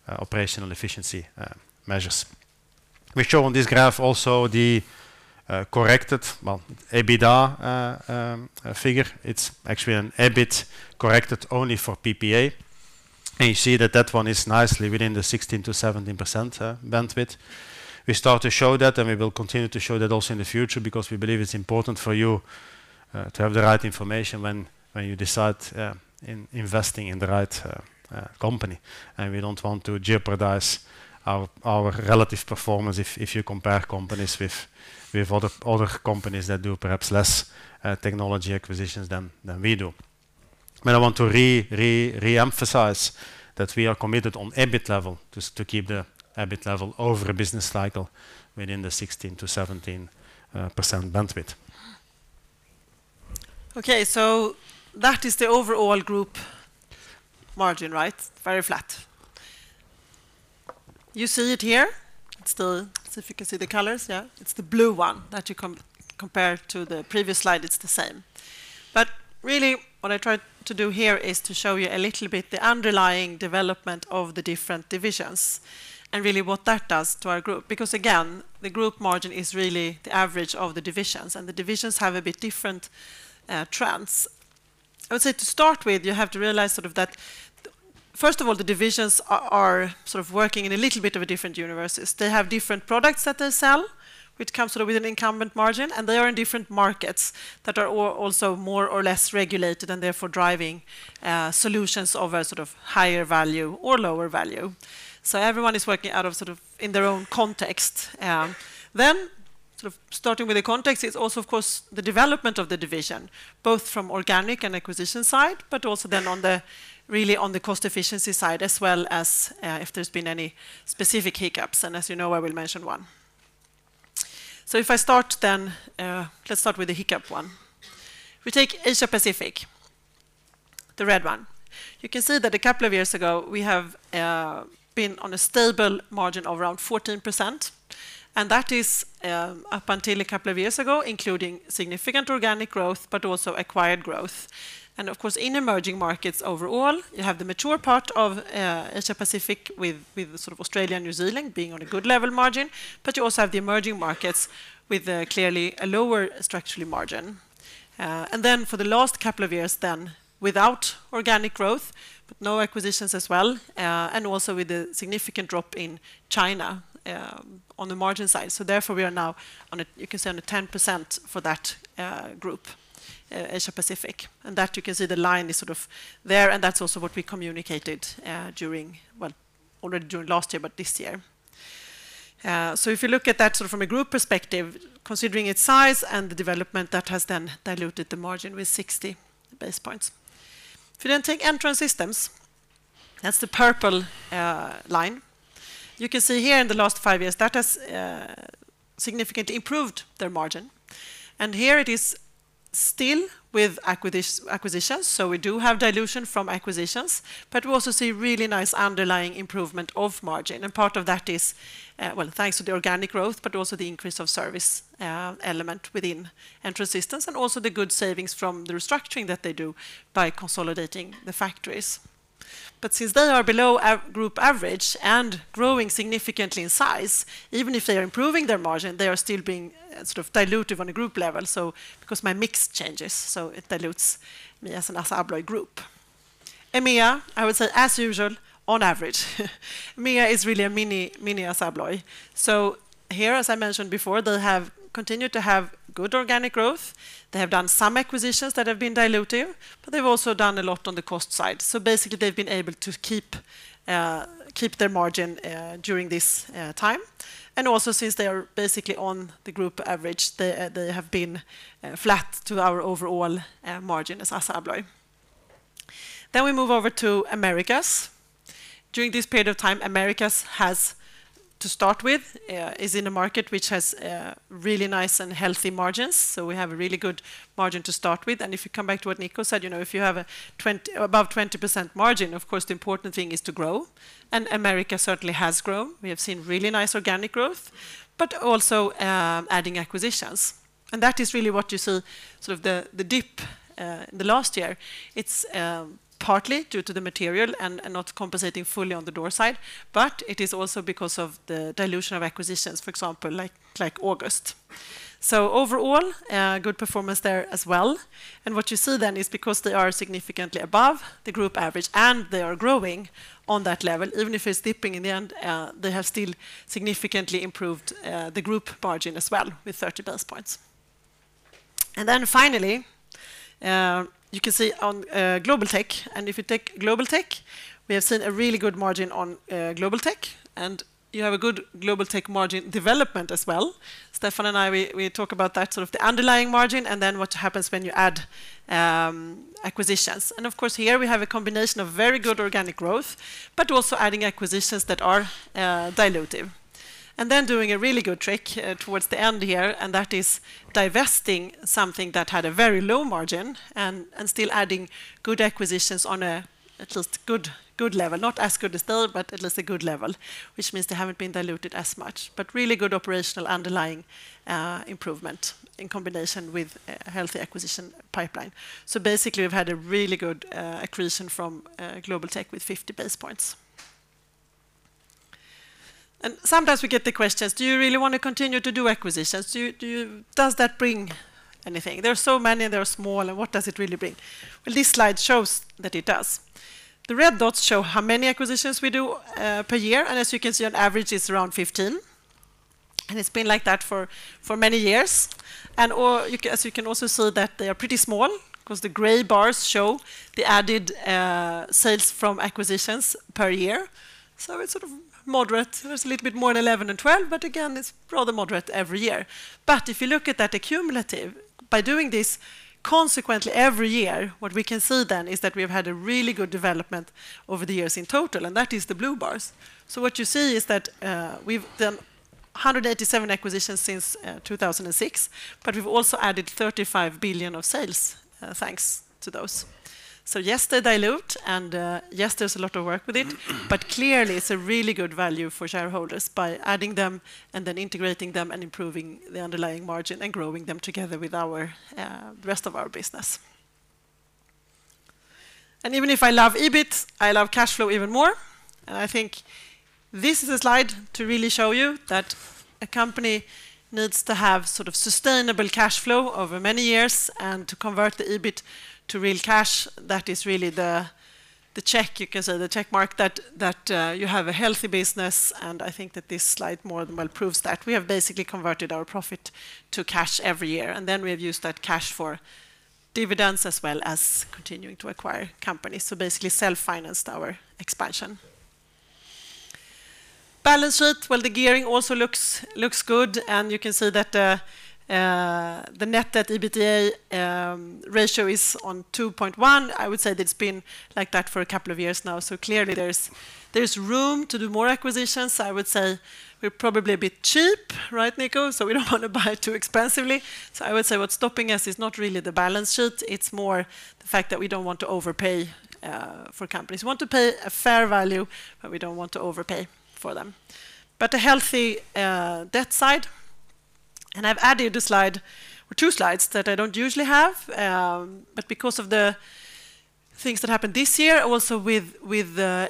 Speaker 1: operational efficiency measures. We show on this graph also the corrected, well, EBITDA figure. It's actually an EBIT corrected only for PPA. You see that that one is nicely within the 16%-17% bandwidth. We start to show that, and we will continue to show that also in the future because we believe it's important for you to have the right information when you decide investing in the right company. We don't want to jeopardize our relative performance if you compare companies with other companies that do perhaps less technology acquisitions than we do. I want to re-emphasize that we are committed on EBIT level, to keep the EBIT level over a business cycle within the 16%-17% bandwidth.
Speaker 2: Okay, that is the overall group margin, right? Very flat. You see it here. If you can see the colors, yeah. It's the blue one that you compare to the previous slide, it's the same. Really what I tried to do here is to show you a little bit the underlying development of the different divisions and really what that does to our group. Again, the group margin is really the average of the divisions, and the divisions have a bit different trends. I would say to start with, you have to realize that, first of all, the divisions are working in a little bit of a different universes. They have different products that they sell, which comes with an incumbent margin, and they are in different markets that are also more or less regulated and therefore driving solutions of a higher value or lower value. Everyone is working out of in their own context. Starting with the context, it's also, of course, the development of the division, both from organic and acquisition side, but also then really on the cost efficiency side, as well as if there's been any specific hiccups, and as you know, I will mention one. If I start then, let's start with the hiccup one. If we take Asia-Pacific, the red one. You can see that a couple of years ago, we have been on a stable margin of around 14%. That is, up until a couple of years ago, including significant organic growth, but also acquired growth. Of course, in emerging markets overall, you have the mature part of Asia-Pacific with Australia and New Zealand being on a good level margin, but you also have the emerging markets with clearly a lower structural margin. For the last couple of years then, without organic growth, but no acquisitions as well, and also with the significant drop in China on the margin side. We are now you can say on a 10% for that group, Asia-Pacific. You can see the line is there, and that's also what we communicated already during last year, but this year. If you look at that from a group perspective, considering its size and the development that has then diluted the margin with 60 basis points. If you take Entrance Systems, that's the purple line. You can see here in the last five years, that has significantly improved their margin. Here it is still with acquisitions, so we do have dilution from acquisitions, but we also see really nice underlying improvement of margin. Part of that is thanks to the organic growth, but also the increase of service element within Entrance Systems, and also the good savings from the restructuring that they do by consolidating the factories. Since they are below group average and growing significantly in size, even if they are improving their margin, they are still being dilutive on a group level because my mix changes, so it dilutes me as an ASSA ABLOY group. EMEA, I would say, as usual, on average. EMEA is really a mini ASSA ABLOY. Here, as I mentioned before, they have continued to have good organic growth. They have done some acquisitions that have been dilutive, but they've also done a lot on the cost side. Basically, they've been able to keep their margin during this time. Since they are basically on the group average, they have been flat to our overall margin as ASSA ABLOY. We move over to Americas. During this period of time, Americas to start with, is in a market which has really nice and healthy margins. We have a really good margin to start with. If you come back to what Nico said, if you have above 20% margin, of course, the important thing is to grow, and Americas certainly has grown. We have seen really nice organic growth, but also adding acquisitions. That is really what you see the dip in the last year. It's partly due to the material and not compensating fully on the door side, but it is also because of the dilution of acquisitions, for example, like August. Overall, good performance there as well. What you see then is because they are significantly above the group average, and they are growing on that level, even if it's dipping in the end, they have still significantly improved the group margin as well with 30 basis points. Finally, you can see on Global Tech. If you take Global Tech, we have seen a really good margin on Global Tech, and you have a good Global Tech margin development as well. Stefan and I, we talk about that the underlying margin, and then what happens when you add acquisitions. Here we have a combination of very good organic growth, but also adding acquisitions that are dilutive. Doing a really good trick towards the end here, and that is divesting something that had a very low margin and still adding good acquisitions on at least a good level. Not as good as Yale, but at least a good level, which means they haven't been diluted as much, but really good operational underlying improvement in combination with a healthy acquisition pipeline. Basically, we've had a really good accretion from Global Tech with 50 basis points. Sometimes we get the questions: Do you really want to continue to do acquisitions? Does that bring anything? There are so many, they are small, and what does it really bring? This slide shows that it does. The red dots show how many acquisitions we do per year, and as you can see, on average, it's around 15, and it's been like that for many years. As you can also see that they are pretty small because the gray bars show the added sales from acquisitions per year. It's moderate. There's a little bit more in 11 and 12, but again, it's rather moderate every year. But if you look at that accumulatively, by doing this consequently every year, what we can see then is that we have had a really good development over the years in total, and that is the blue bars. What you see is that we've done 187 acquisitions since 2006, but we've also added 35 billion of sales thanks to those. So yes, they dilute, and yes, there's a lot of work with it, but clearly, it's a really good value for shareholders by adding them, and then integrating them, and improving the underlying margin, and growing them together with the rest of our business. Even if I love EBIT, I love cash flow even more. I think this is a slide to really show you that a company needs to have sustainable cash flow over many years, and to convert the EBIT to real cash, that is really the check mark that you have a healthy business, and I think that this slide more than well proves that. We have basically converted our profit to cash every year, and then we have used that cash for dividends as well as continuing to acquire companies. Basically, self-financed our expansion. Balance sheet. The gearing also looks good, and you can see that the net debt-to-EBITDA ratio is on 2.1. I would say that it's been like that for a couple of years now, so clearly there's room to do more acquisitions. I would say we're probably a bit cheap, right, Nico? So we don't want to buy too expensively. I would say what's stopping us is not really the balance sheet, it's more the fact that we don't want to overpay for companies. We want to pay a fair value, but we don't want to overpay for them. But a healthy debt side. I've added a slide, or two slides that I don't usually have. But because of the things that happened this year, also with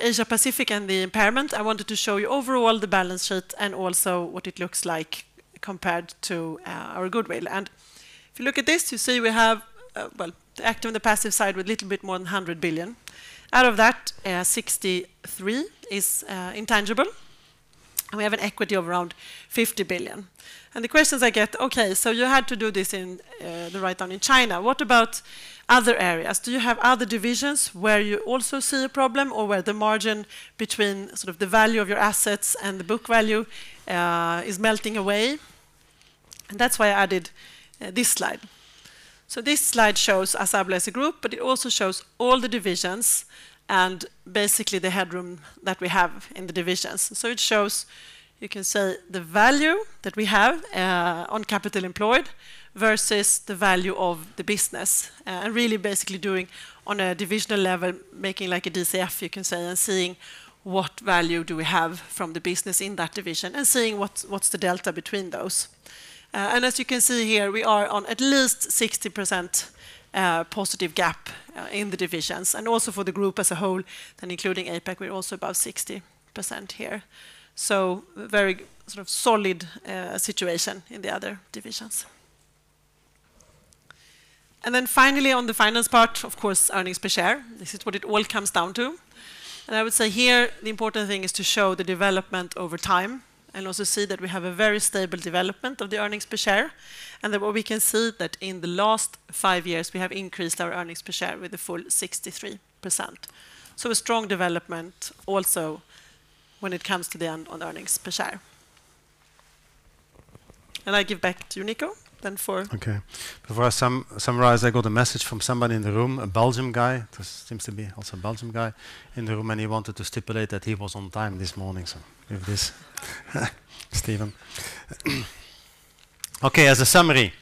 Speaker 2: Asia-Pacific and the impairment, I wanted to show you overall the balance sheet and also what it looks like compared to our goodwill. And if you look at this, you see we have, well, the active and the passive side with a little bit more than 100 billion. Out of that, 63 billion is intangible. And we have an equity of around 50 billion. And the questions I get, "Okay, so you had to do this in the write-down in China. What about other areas? Do you have other divisions where you also see a problem or where the margin between the value of your assets and the book value is melting away?" That's why I added this slide. This slide shows ASSA ABLOY as a group, but it also shows all the divisions and basically the headroom that we have in the divisions. It shows, you can say, the value that we have on capital employed versus the value of the business, and really basically doing on a divisional level, making like a DCF, you can say, and seeing what value do we have from the business in that division and seeing what's the delta between those. As you can see here, we are on at least 60% positive gap in the divisions. Also for the group as a whole, then including APAC, we're also above 60% here. Very solid situation in the other divisions. Then finally, on the finance part, of course, earnings per share. This is what it all comes down to. I would say here, the important thing is to show the development over time and also see that we have a very stable development of the earnings per share. We can see that in the last five years, we have increased our earnings per share with a full 63%. A strong development also when it comes to the end on earnings per share. I give back to you, Nico, then for-
Speaker 1: Okay. Before I summarize, I got a message from somebody in the room, a Belgium guy. This seems to be also a Belgium guy in the room, and he wanted to stipulate that he was on time this morning. With this, Steven.
Speaker 3: Okay, as a summary,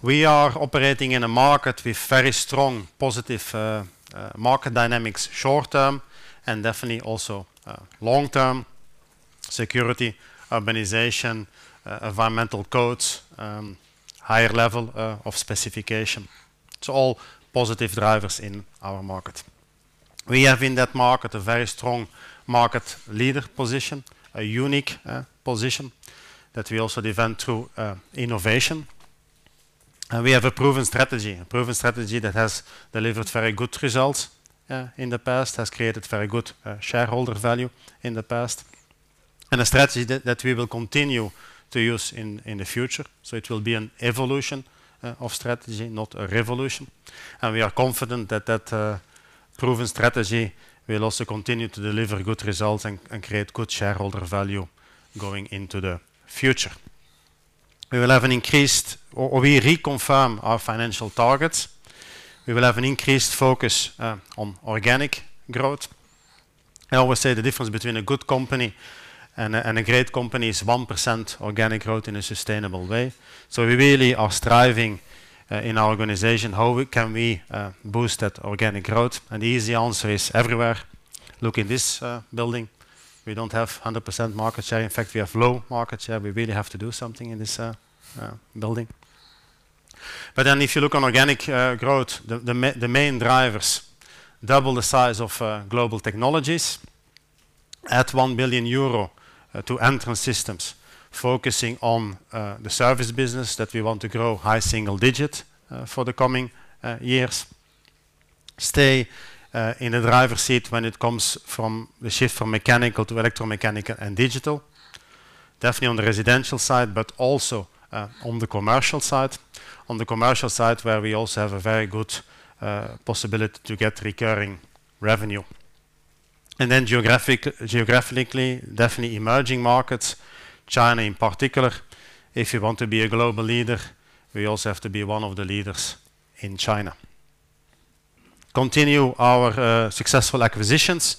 Speaker 3: we are operating in a market with very strong positive market dynamics short term and definitely also long term: security, urbanization, environmental codes, higher level of specification. It's all positive drivers in our market. We have in that market a very strong market leader position, a unique position that we also defend through innovation. We have a proven strategy, a proven strategy that has delivered very good results in the past, has created very good shareholder value in the past, and a strategy that we will continue to use in the future. It will be an evolution of strategy, not a revolution. We are confident that that proven strategy will also continue to deliver good results and create good shareholder value going into the future. We reconfirm our financial targets. We will have an increased focus on organic growth. I always say the difference between a good company and a great company is 1% organic growth in a sustainable way. We really are striving in our organization, how can we boost that organic growth? The easy answer is everywhere. Look in this building, we don't have 100% market share. In fact, we have low market share. We really have to do something in this building. If you look on organic growth, the main drivers, double the size of Global Technologies. Add 1 billion euro to Entrance Systems, focusing on the service business that we want to grow high single-digit for the coming years. Stay in the driver's seat when it comes from the shift from mechanical to electromechanical and digital, definitely on the residential side, but also on the commercial side, on the commercial side, where we also have a very good possibility to get recurring revenue. Geographically, definitely emerging markets, China in particular. If you want to be a global leader, we also have to be one of the leaders in China. Continue our successful acquisitions.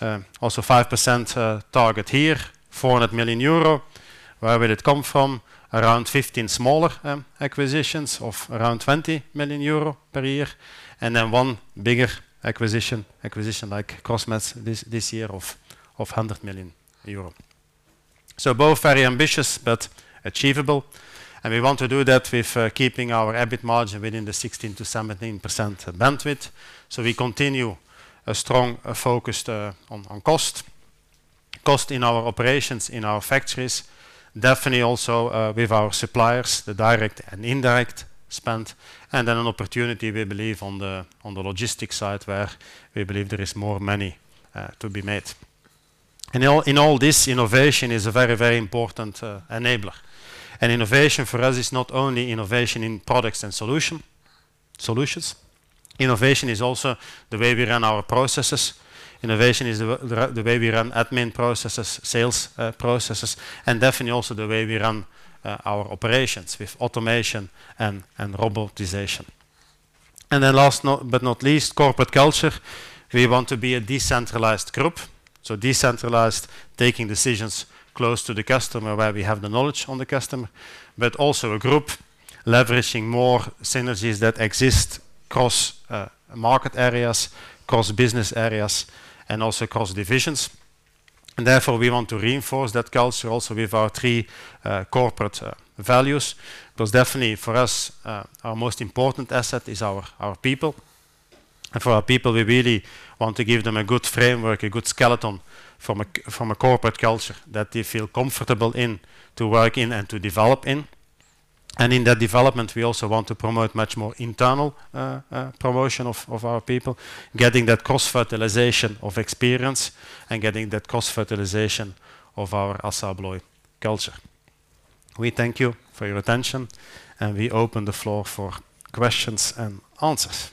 Speaker 3: 5% target here, 400 million euro. Where will it come from? Around 15 smaller acquisitions of around 20 million euro per year, and then one bigger acquisition like Crossmatch this year of 100 million euro. Both very ambitious but achievable, we want to do that with keeping our EBIT margin within the 16%-17% bandwidth. We continue a strong focus on cost. Cost in our operations, in our factories. Definitely also with our suppliers, the direct and indirect spend. An opportunity we believe on the logistics side, where we believe there is more money to be made. In all this, innovation is a very, very important enabler. Innovation for us is not only innovation in products and solutions. Innovation is also the way we run our processes. Innovation is the way we run admin processes, sales processes, definitely also the way we run our operations with automation and robotization. Last but not least, corporate culture. We want to be a decentralized group, decentralized, taking decisions close to the customer, where we have the knowledge on the customer, but also a group leveraging more synergies that exist across market areas, across business areas, and also across divisions. Therefore, we want to reinforce that culture also with our three corporate values, because definitely for us, our most important asset is our people. For our people, we really want to give them a good framework, a good skeleton from a corporate culture that they feel comfortable in to work in and to develop in. In that development, we also want to promote much more internal promotion of our people, getting that cross-fertilization of experience and getting that cross-fertilization of our ASSA ABLOY culture. We thank you for your attention, we open the floor for questions and answers.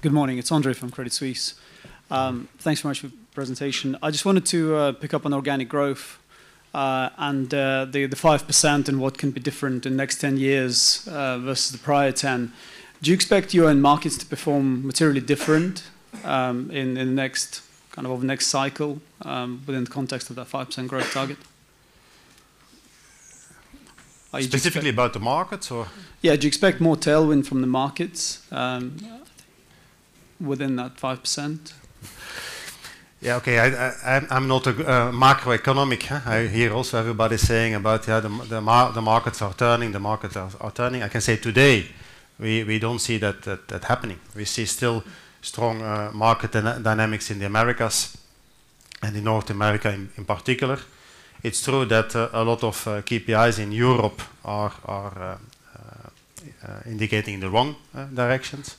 Speaker 4: Great. Good morning. It's Andre from Credit Suisse. Thanks very much for the presentation. I just wanted to pick up on organic growth and the 5% and what can be different in next 10 years versus the prior 10. Do you expect your end markets to perform materially different in next cycle, within the context of that 5% growth target?
Speaker 1: Specifically about the markets or?
Speaker 4: Yeah. Do you expect more tailwind from the markets within that 5%?
Speaker 1: Yeah. Okay. I'm not a macroeconomic. I hear also everybody saying about, "Yeah, the markets are turning." I can say today, we don't see that happening. We see still strong market dynamics in the Americas and in North America in particular. It's true that a lot of KPIs in Europe are indicating the wrong directions.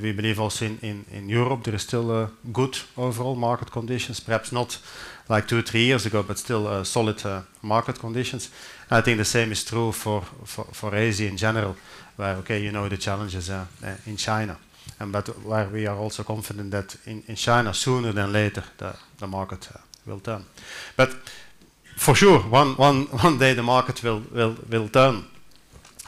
Speaker 1: We believe also in Europe, there is still good overall market conditions, perhaps not like two or three years ago, but still solid market conditions. I think the same is true for Asia in general, where, okay, you know the challenges are in China. We are also confident that in China, sooner than later, the market will turn. For sure, one day the market will turn,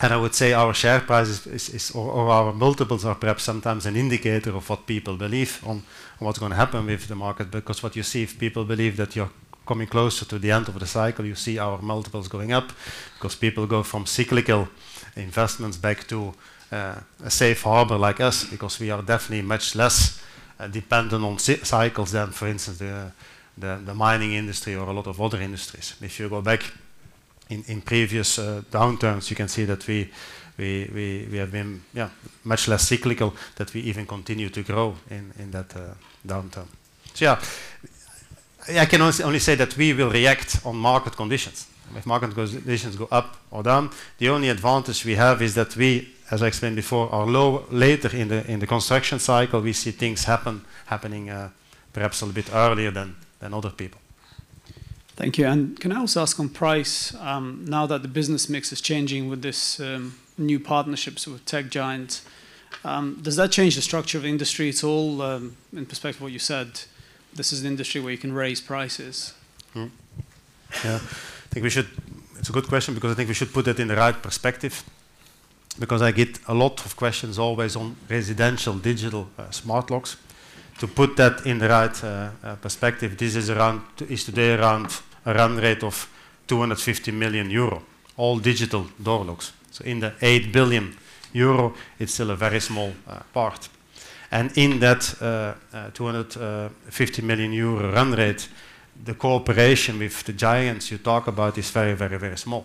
Speaker 1: and I would say our share prices or our multiples are perhaps sometimes an indicator of what people believe on what's going to happen with the market because what you see, if people believe that you're coming closer to the end of the cycle, you see our multiples going up. Because people go from cyclical investments back to a safe harbor like us, because we are definitely much less dependent on cycles than, for instance, the mining industry or a lot of other industries. If you go back in previous downturns, you can see that we have been much less cyclical, that we even continue to grow in that downturn. Yeah. I can only say that we will react on market conditions. If market conditions go up or down, the only advantage we have is that we, as I explained before, are later in the construction cycle, we see things happening perhaps a little bit earlier than other people.
Speaker 4: Thank you. Can I also ask on price, now that the business mix is changing with this new partnerships with tech giants, does that change the structure of industry at all? In perspective, what you said, this is an industry where you can raise prices.
Speaker 1: Yeah. It's a good question because I think we should put it in the right perspective, because I get a lot of questions always on residential digital smart locks. To put that in the right perspective, this is today around a run rate of 250 million euro, all digital door locks. In the 8 billion euro, it's still a very small part. In that 250 million euro run rate, the cooperation with the giants you talk about is very small.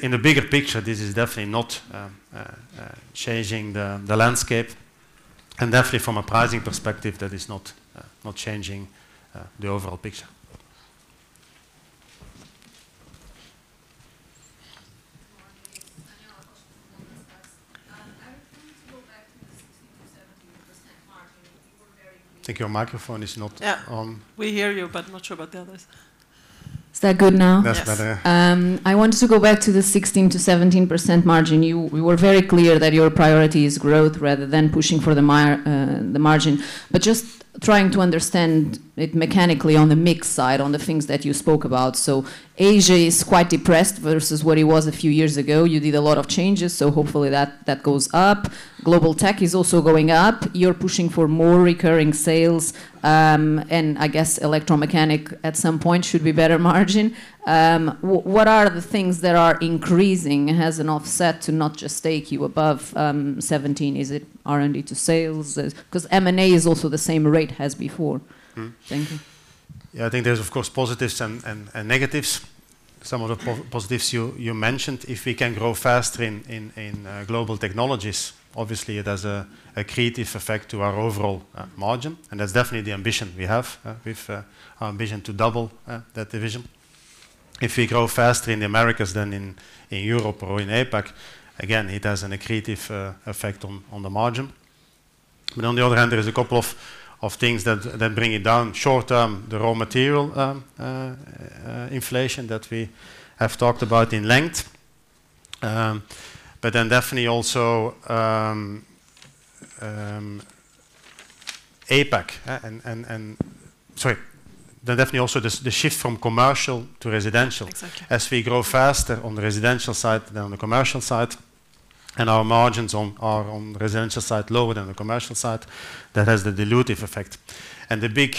Speaker 1: In the bigger picture, this is definitely not changing the landscape. Definitely from a pricing perspective, that is not changing the overall picture.
Speaker 5: Good morning. I wanted to go back to the 16%-17% margin. You were very-
Speaker 1: I think your microphone is not on.
Speaker 2: Yeah. We hear you, but not sure about the others.
Speaker 5: Is that good now?
Speaker 1: That's better, yeah.
Speaker 5: I wanted to go back to the 16%-17% margin. You were very clear that your priority is growth rather than pushing for the margin. Just trying to understand it mechanically on the mix side, on the things that you spoke about. Asia is quite depressed versus what it was a few years ago. You did a lot of changes, so hopefully that goes up. Global Tech is also going up. You're pushing for more recurring sales, I guess electromechanical, at some point, should be better margin. What are the things that are increasing as an offset to not just take you above 17%? Is it R&D to sales? M&A is also the same rate as before. Thank you.
Speaker 1: Yeah. I think there's, of course, positives and negatives. Some of the positives you mentioned, if we can grow faster in Global Technologies, obviously it has an accretive effect to our overall margin, that's definitely the ambition we have with our ambition to double that division. If we grow faster in the Americas than in Europe or in APAC, again, it has an accretive effect on the margin. On the other hand, there is a couple of things that bring it down. Short term, the raw material inflation that we have talked about in length. Definitely also, APAC. Definitely also the shift from commercial to residential.
Speaker 2: Exactly.
Speaker 1: As we grow faster on the residential side than on the commercial side, our margins are on the residential side lower than the commercial side, that has the dilutive effect. The big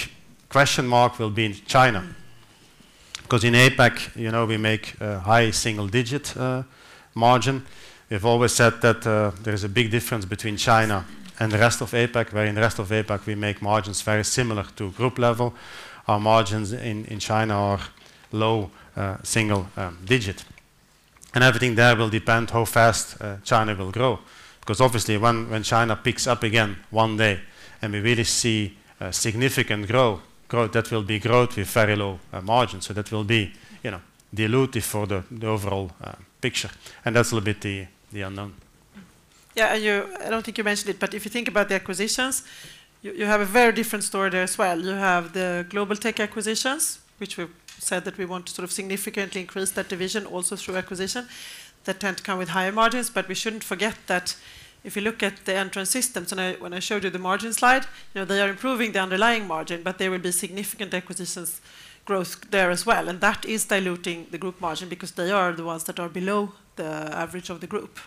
Speaker 1: question mark will be in China. In APAC, we make a high single-digit margin. We've always said that there is a big difference between China and the rest of APAC, where in the rest of APAC, we make margins very similar to group level. Our margins in China are low single-digit. Everything there will depend how fast China will grow. Obviously when China picks up again one day, we really see significant growth, that will be growth with very low margins. That will be dilutive for the overall picture, that's a little bit the unknown.
Speaker 2: Yeah. I don't think you mentioned it, if you think about the acquisitions, you have a very different story there as well. You have the Global Tech acquisitions, which we said that we want to significantly increase that division also through acquisition. That tend to come with higher margins. We shouldn't forget that if you look at the Entrance Systems, when I showed you the margin slide, they are improving the underlying margin, there will be significant acquisitions growth there as well. That is diluting the group margin because they are the ones that are below the average of the group.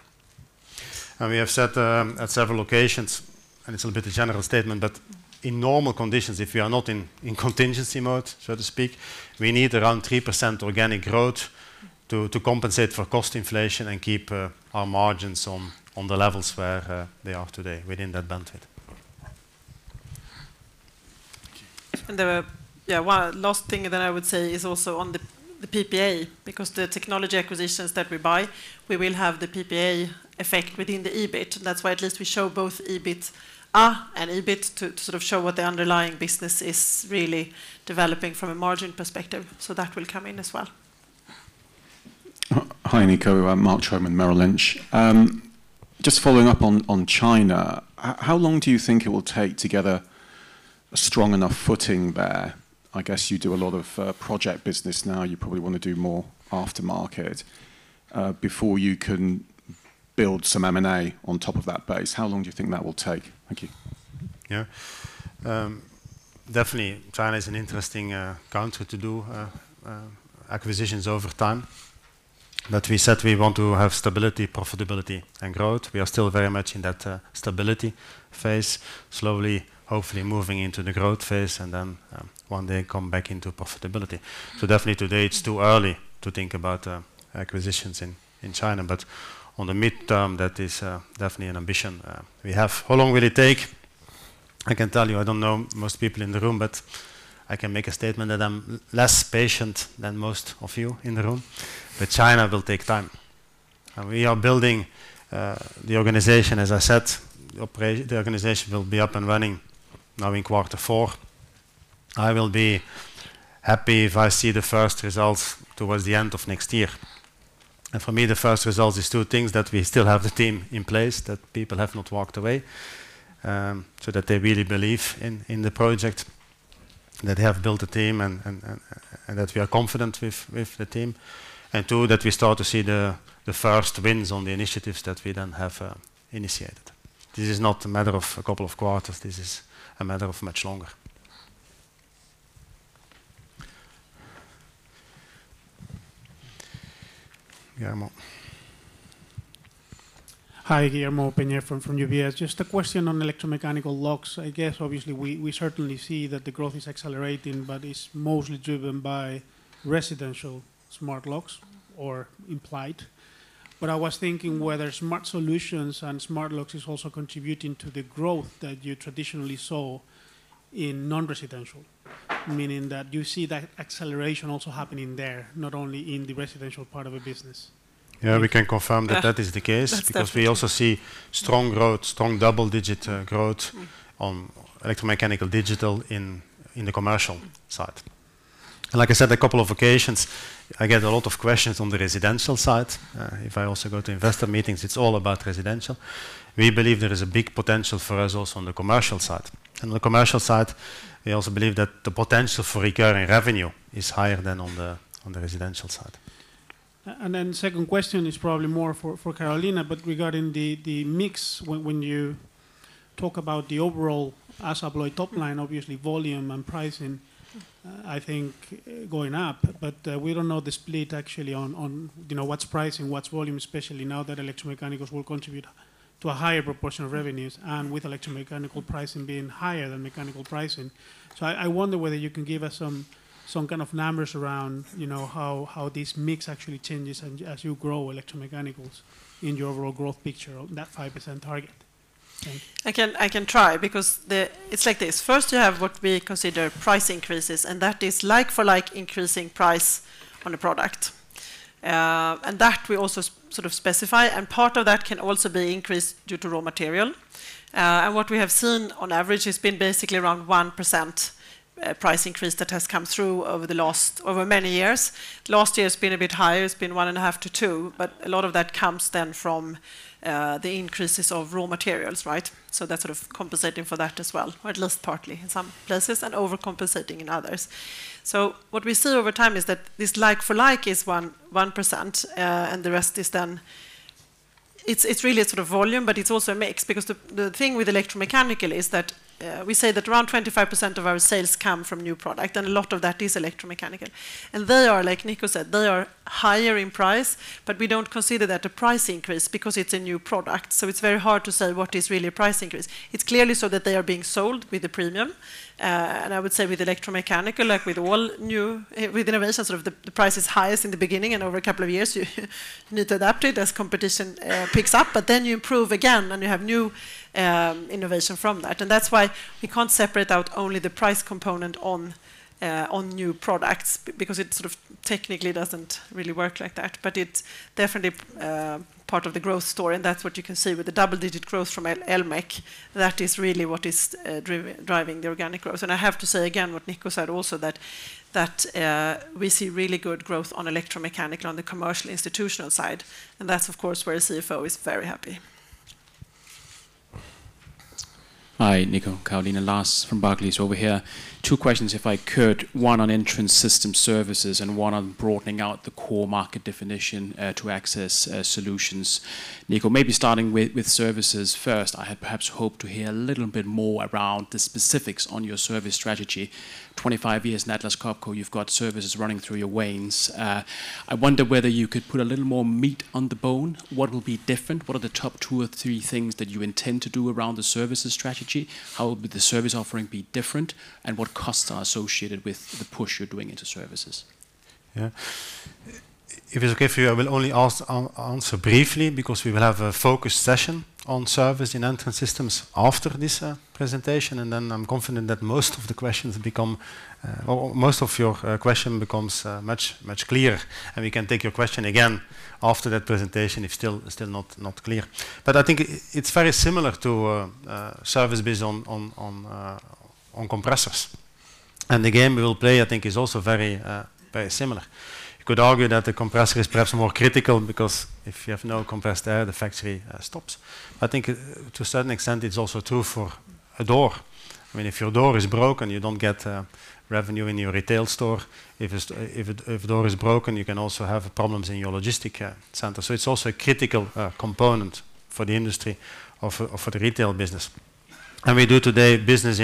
Speaker 1: We have said at several occasions, and it's a little bit a general statement, but in normal conditions, if we are not in contingency mode, so to speak, we need around 3% organic growth to compensate for cost inflation and keep our margins on the levels where they are today within that band width.
Speaker 2: The one last thing that I would say is also on the PPA, because the technology acquisitions that we buy, we will have the PPA effect within the EBIT. That's why at least we show both EBITDA and EBIT to show what the underlying business is really developing from a margin perspective. That will come in as well.
Speaker 6: Hi, Nico. Mark Troman, Merrill Lynch. Just following up on China, how long do you think it will take to get a strong enough footing there? I guess you do a lot of project business now. You probably want to do more after market, before you can build some M&A on top of that base. How long do you think that will take? Thank you.
Speaker 1: Yeah. Definitely, China is an interesting country to do acquisitions over time. We said we want to have stability, profitability, and growth. We are still very much in that stability phase, slowly, hopefully moving into the growth phase and then one day come back into profitability. Definitely today it's too early to think about acquisitions in China. On the midterm, that is definitely an ambition we have. How long will it take? I can tell you, I don't know most people in the room, but I can make a statement that I'm less patient than most of you in the room, but China will take time. We are building the organization, as I said, the organization will be up and running now in quarter four. I will be happy if I see the first results towards the end of next year. For me, the first results is two things, that we still have the team in place, that people have not walked away, so that they really believe in the project, that they have built a team and that we are confident with the team. Two, that we start to see the first wins on the initiatives that we then have initiated. This is not a matter of a couple of quarters, this is a matter of much longer. Guillermo.
Speaker 7: Hi, Guillermo Peigneux from UBS. Just a question on electromechanical locks. I guess obviously we certainly see that the growth is accelerating, but it's mostly driven by residential smart locks or implied. I was thinking whether smart solutions and smart locks is also contributing to the growth that you traditionally saw in non-residential. Meaning that you see that acceleration also happening there, not only in the residential part of a business.
Speaker 1: Yeah, we can confirm that that is the case.
Speaker 2: That's definitely true.
Speaker 1: We also see strong growth, strong double-digit growth on electromechanical digital in the commercial side. Like I said, a couple of occasions, I get a lot of questions on the residential side. If I also go to investor meetings, it's all about residential. We believe there is a big potential for us also on the commercial side. The commercial side, we also believe that the potential for recurring revenue is higher than on the residential side.
Speaker 7: Second question is probably more for Carolina, regarding the mix, when you talk about the overall ASSA ABLOY top line, obviously volume and pricing, I think going up. We don't know the split actually on what's pricing, what's volume, especially now that electromechanicals will contribute to a higher proportion of revenues and with electromechanical pricing being higher than mechanical pricing. I wonder whether you can give us some kind of numbers around how this mix actually changes and as you grow electromechanicals in your overall growth picture on that 5% target. Thank you.
Speaker 2: I can try because it's like this, first you have what we consider price increases, and that is like for like increasing price on a product. That we also specify, and part of that can also be increased due to raw material. What we have seen on average has been basically around 1% price increase that has come through over many years. Last year has been a bit higher. It's been one and a half to two, but a lot of that comes then from the increases of raw materials, right? That's sort of compensating for that as well, or at least partly in some places, and overcompensating in others. What we see over time is that this like for like is 1%, It's really a sort of volume, but it's also a mix, because the thing with electromechanical is that we say that around 25% of our sales come from new product, and a lot of that is electromechanical. They are, like Nico said, they are higher in price, but we don't consider that a price increase because it's a new product, so it's very hard to say what is really a price increase. It's clearly so that they are being sold with a premium. I would say with electromechanical, like with innovation, the price is highest in the beginning, and over a couple of years, you need to adapt it as competition picks up. You improve again, and you have new innovation from that. That's why we can't separate out only the price component on new products, because it sort of technically doesn't really work like that. It's definitely part of the growth story, and that's what you can see with the double-digit growth from electromechanical. That is really what is driving the organic growth. I have to say again what Nico said also, that we see really good growth on electromechanical, on the commercial institutional side, and that's, of course, where a CFO is very happy.
Speaker 8: Hi, Nico, Caroline. Lars from Barclays over here. Two questions, if I could. One on Entrance Systems services and one on broadening out the core market definition to access solutions. Nico, maybe starting with services first. I had perhaps hoped to hear a little bit more around the specifics on your service strategy. 25 years in Atlas Copco, you've got services running through your veins. I wonder whether you could put a little more meat on the bone. What will be different? What are the top two or three things that you intend to do around the services strategy? How will the service offering be different, and what costs are associated with the push you're doing into services?
Speaker 1: If it's okay for you, I will only answer briefly because we will have a focus session on service in Entrance Systems after this presentation, I'm confident that most of your question becomes much clearer, and we can take your question again after that presentation if still not clear. I think it's very similar to a service based on compressors. The game we will play, I think, is also very similar. You could argue that the compressor is perhaps more critical because if you have no compressed air, the factory stops. I think to a certain extent, it's also true for a door. If your door is broken, you don't get revenue in your retail store. If door is broken, you can also have problems in your logistic center. It's also a critical component for the industry or for the retail business. We do today service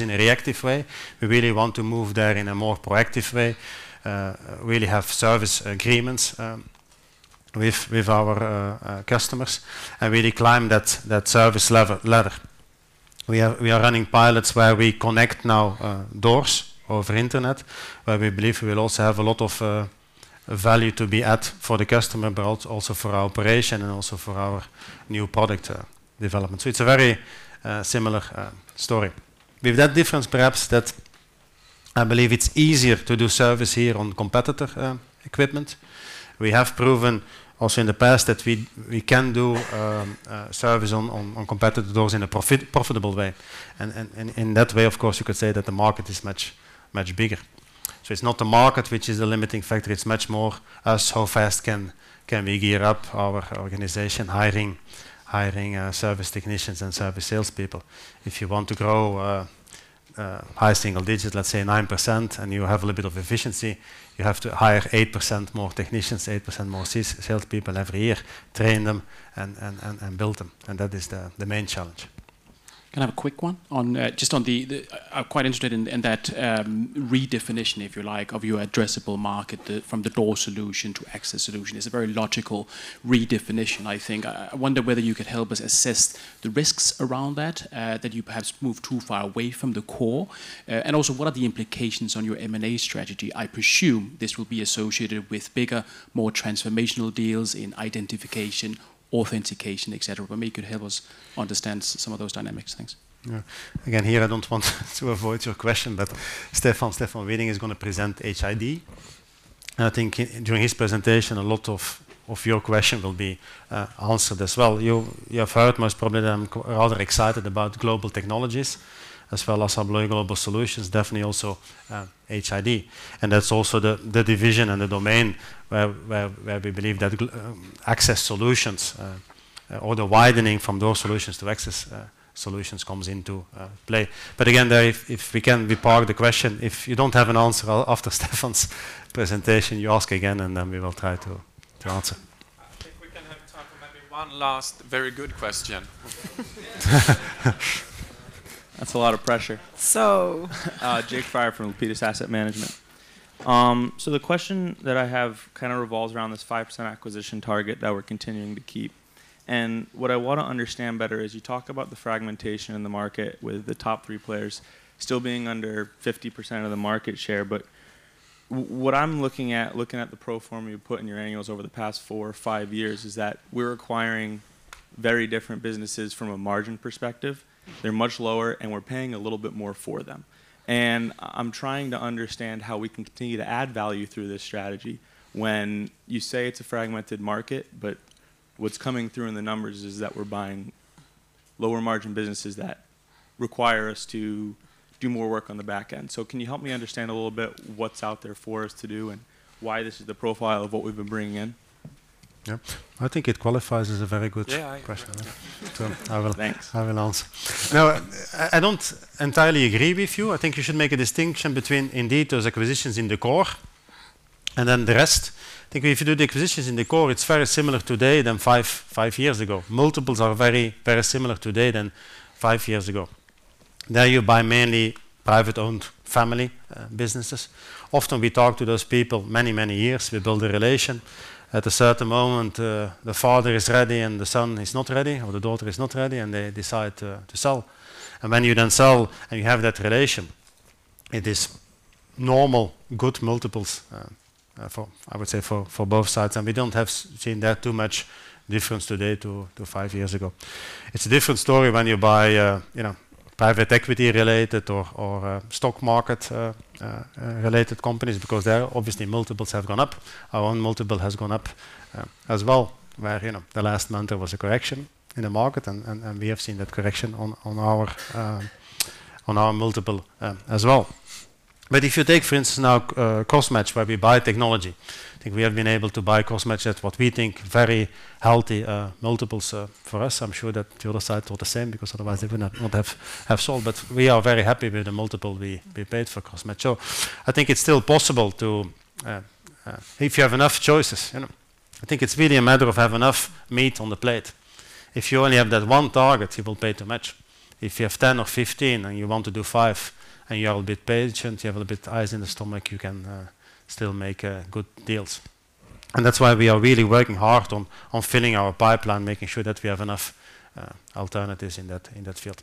Speaker 1: in a reactive way. We really want to move there in a more proactive way, really have service agreements with our customers and really climb that service ladder. We are running pilots where we connect now doors over internet, where we believe we will also have a lot of value to be at for the customer, but also for our operation and also for our new product development. It's a very similar story. With that difference, perhaps, that I believe it's easier to do service here on competitor equipment. We have proven also in the past that we can do service on competitor doors in a profitable way, and in that way, of course, you could say that the market is much bigger. It's not the market which is a limiting factor, it's much more us, how fast can we gear up our organization, hiring service technicians and service salespeople. If you want to grow high single digits, let's say 9%, and you have a little bit of efficiency, you have to hire 8% more technicians, 8% more salespeople every year, train them, and build them, and that is the main challenge.
Speaker 8: Can I have a quick one? I'm quite interested in that redefinition, if you like, of your addressable market from the door solution to access solution. It's a very logical redefinition, I think. I wonder whether you could help us assess the risks around that you perhaps moved too far away from the core. Also, what are the implications on your M&A strategy? I presume this will be associated with bigger, more transformational deals in identification, authentication, et cetera. Maybe you could help us understand some of those dynamics. Thanks.
Speaker 1: Yeah. Again, here, I don't want to avoid your question, but Stefan Widing is going to present HID. I think during his presentation, a lot of your question will be answered as well. You have heard most probably that I'm rather excited about Global Technologies as well as our Global Solutions, definitely also HID. That's also the division and the domain where we believe that access solutions, or the widening from door solutions to access solutions comes into play. Again, there, if we can be part of the question, if you don't have an answer after Stefan's presentation, you ask again, and then we will try to answer. I think we can have time for maybe one last very good question.
Speaker 9: That's a lot of pressure.
Speaker 2: So-
Speaker 9: Jake Fryer from Peters Asset Management. The question that I have kind of revolves around this 5% acquisition target that we're continuing to keep. What I want to understand better is you talk about the fragmentation in the market with the top three players still being under 50% of the market share. What I'm looking at, looking at the pro forma you put in your annuals over the past four or five years, is that we're acquiring very different businesses from a margin perspective. They're much lower, and we're paying a little bit more for them. I'm trying to understand how we can continue to add value through this strategy when you say it's a fragmented market, what's coming through in the numbers is that we're buying lower margin businesses that require us to do more work on the back end. Can you help me understand a little bit what's out there for us to do and why this is the profile of what we've been bringing in?
Speaker 1: Yep. I think it qualifies as a very good question.
Speaker 9: Yeah.
Speaker 1: So I will-
Speaker 9: Thanks.
Speaker 1: I will answer. No, I don't entirely agree with you. I think you should make a distinction between indeed those acquisitions in the core and then the rest. I think if you do the acquisitions in the core, it's very similar today than five years ago. Multiples are very similar today than five years ago. There you buy mainly private-owned family businesses. Often we talk to those people many, many years. We build a relation. At a certain moment, the father is ready and the son is not ready, or the daughter is not ready, and they decide to sell. When you then sell and you have that relation, it is normal, good multiples, I would say, for both sides. We don't have seen there too much difference today to five years ago. It's a different story when you buy private equity-related or stock market-related companies because there, obviously, multiples have gone up. Our own multiple has gone up as well, where the last month there was a correction in the market, and we have seen that correction on our multiple as well. If you take, for instance, now Crossmatch, where we buy technology, I think we have been able to buy Crossmatch at what we think very healthy multiples for us. I'm sure that the other side thought the same because otherwise they would not have sold. We are very happy with the multiple we paid for Crossmatch. I think it's still possible to, if you have enough choices. I think it's really a matter of have enough meat on the plate. If you only have that one target, you will pay too much. If you have 10 or 15 and you want to do five and you are a bit patient, you have a little bit ice in the stomach, you can still make good deals. That's why we are really working hard on filling our pipeline, making sure that we have enough alternatives in that field.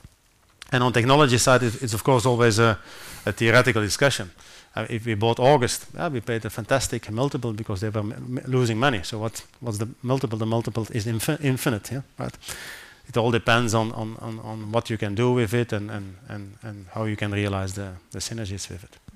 Speaker 1: On technology side, it's of course always a theoretical discussion. If we bought August, we paid a fantastic multiple because they were losing money. What's the multiple? The multiple is infinite. It all depends on what you can do with it and how you can realize the synergies with it.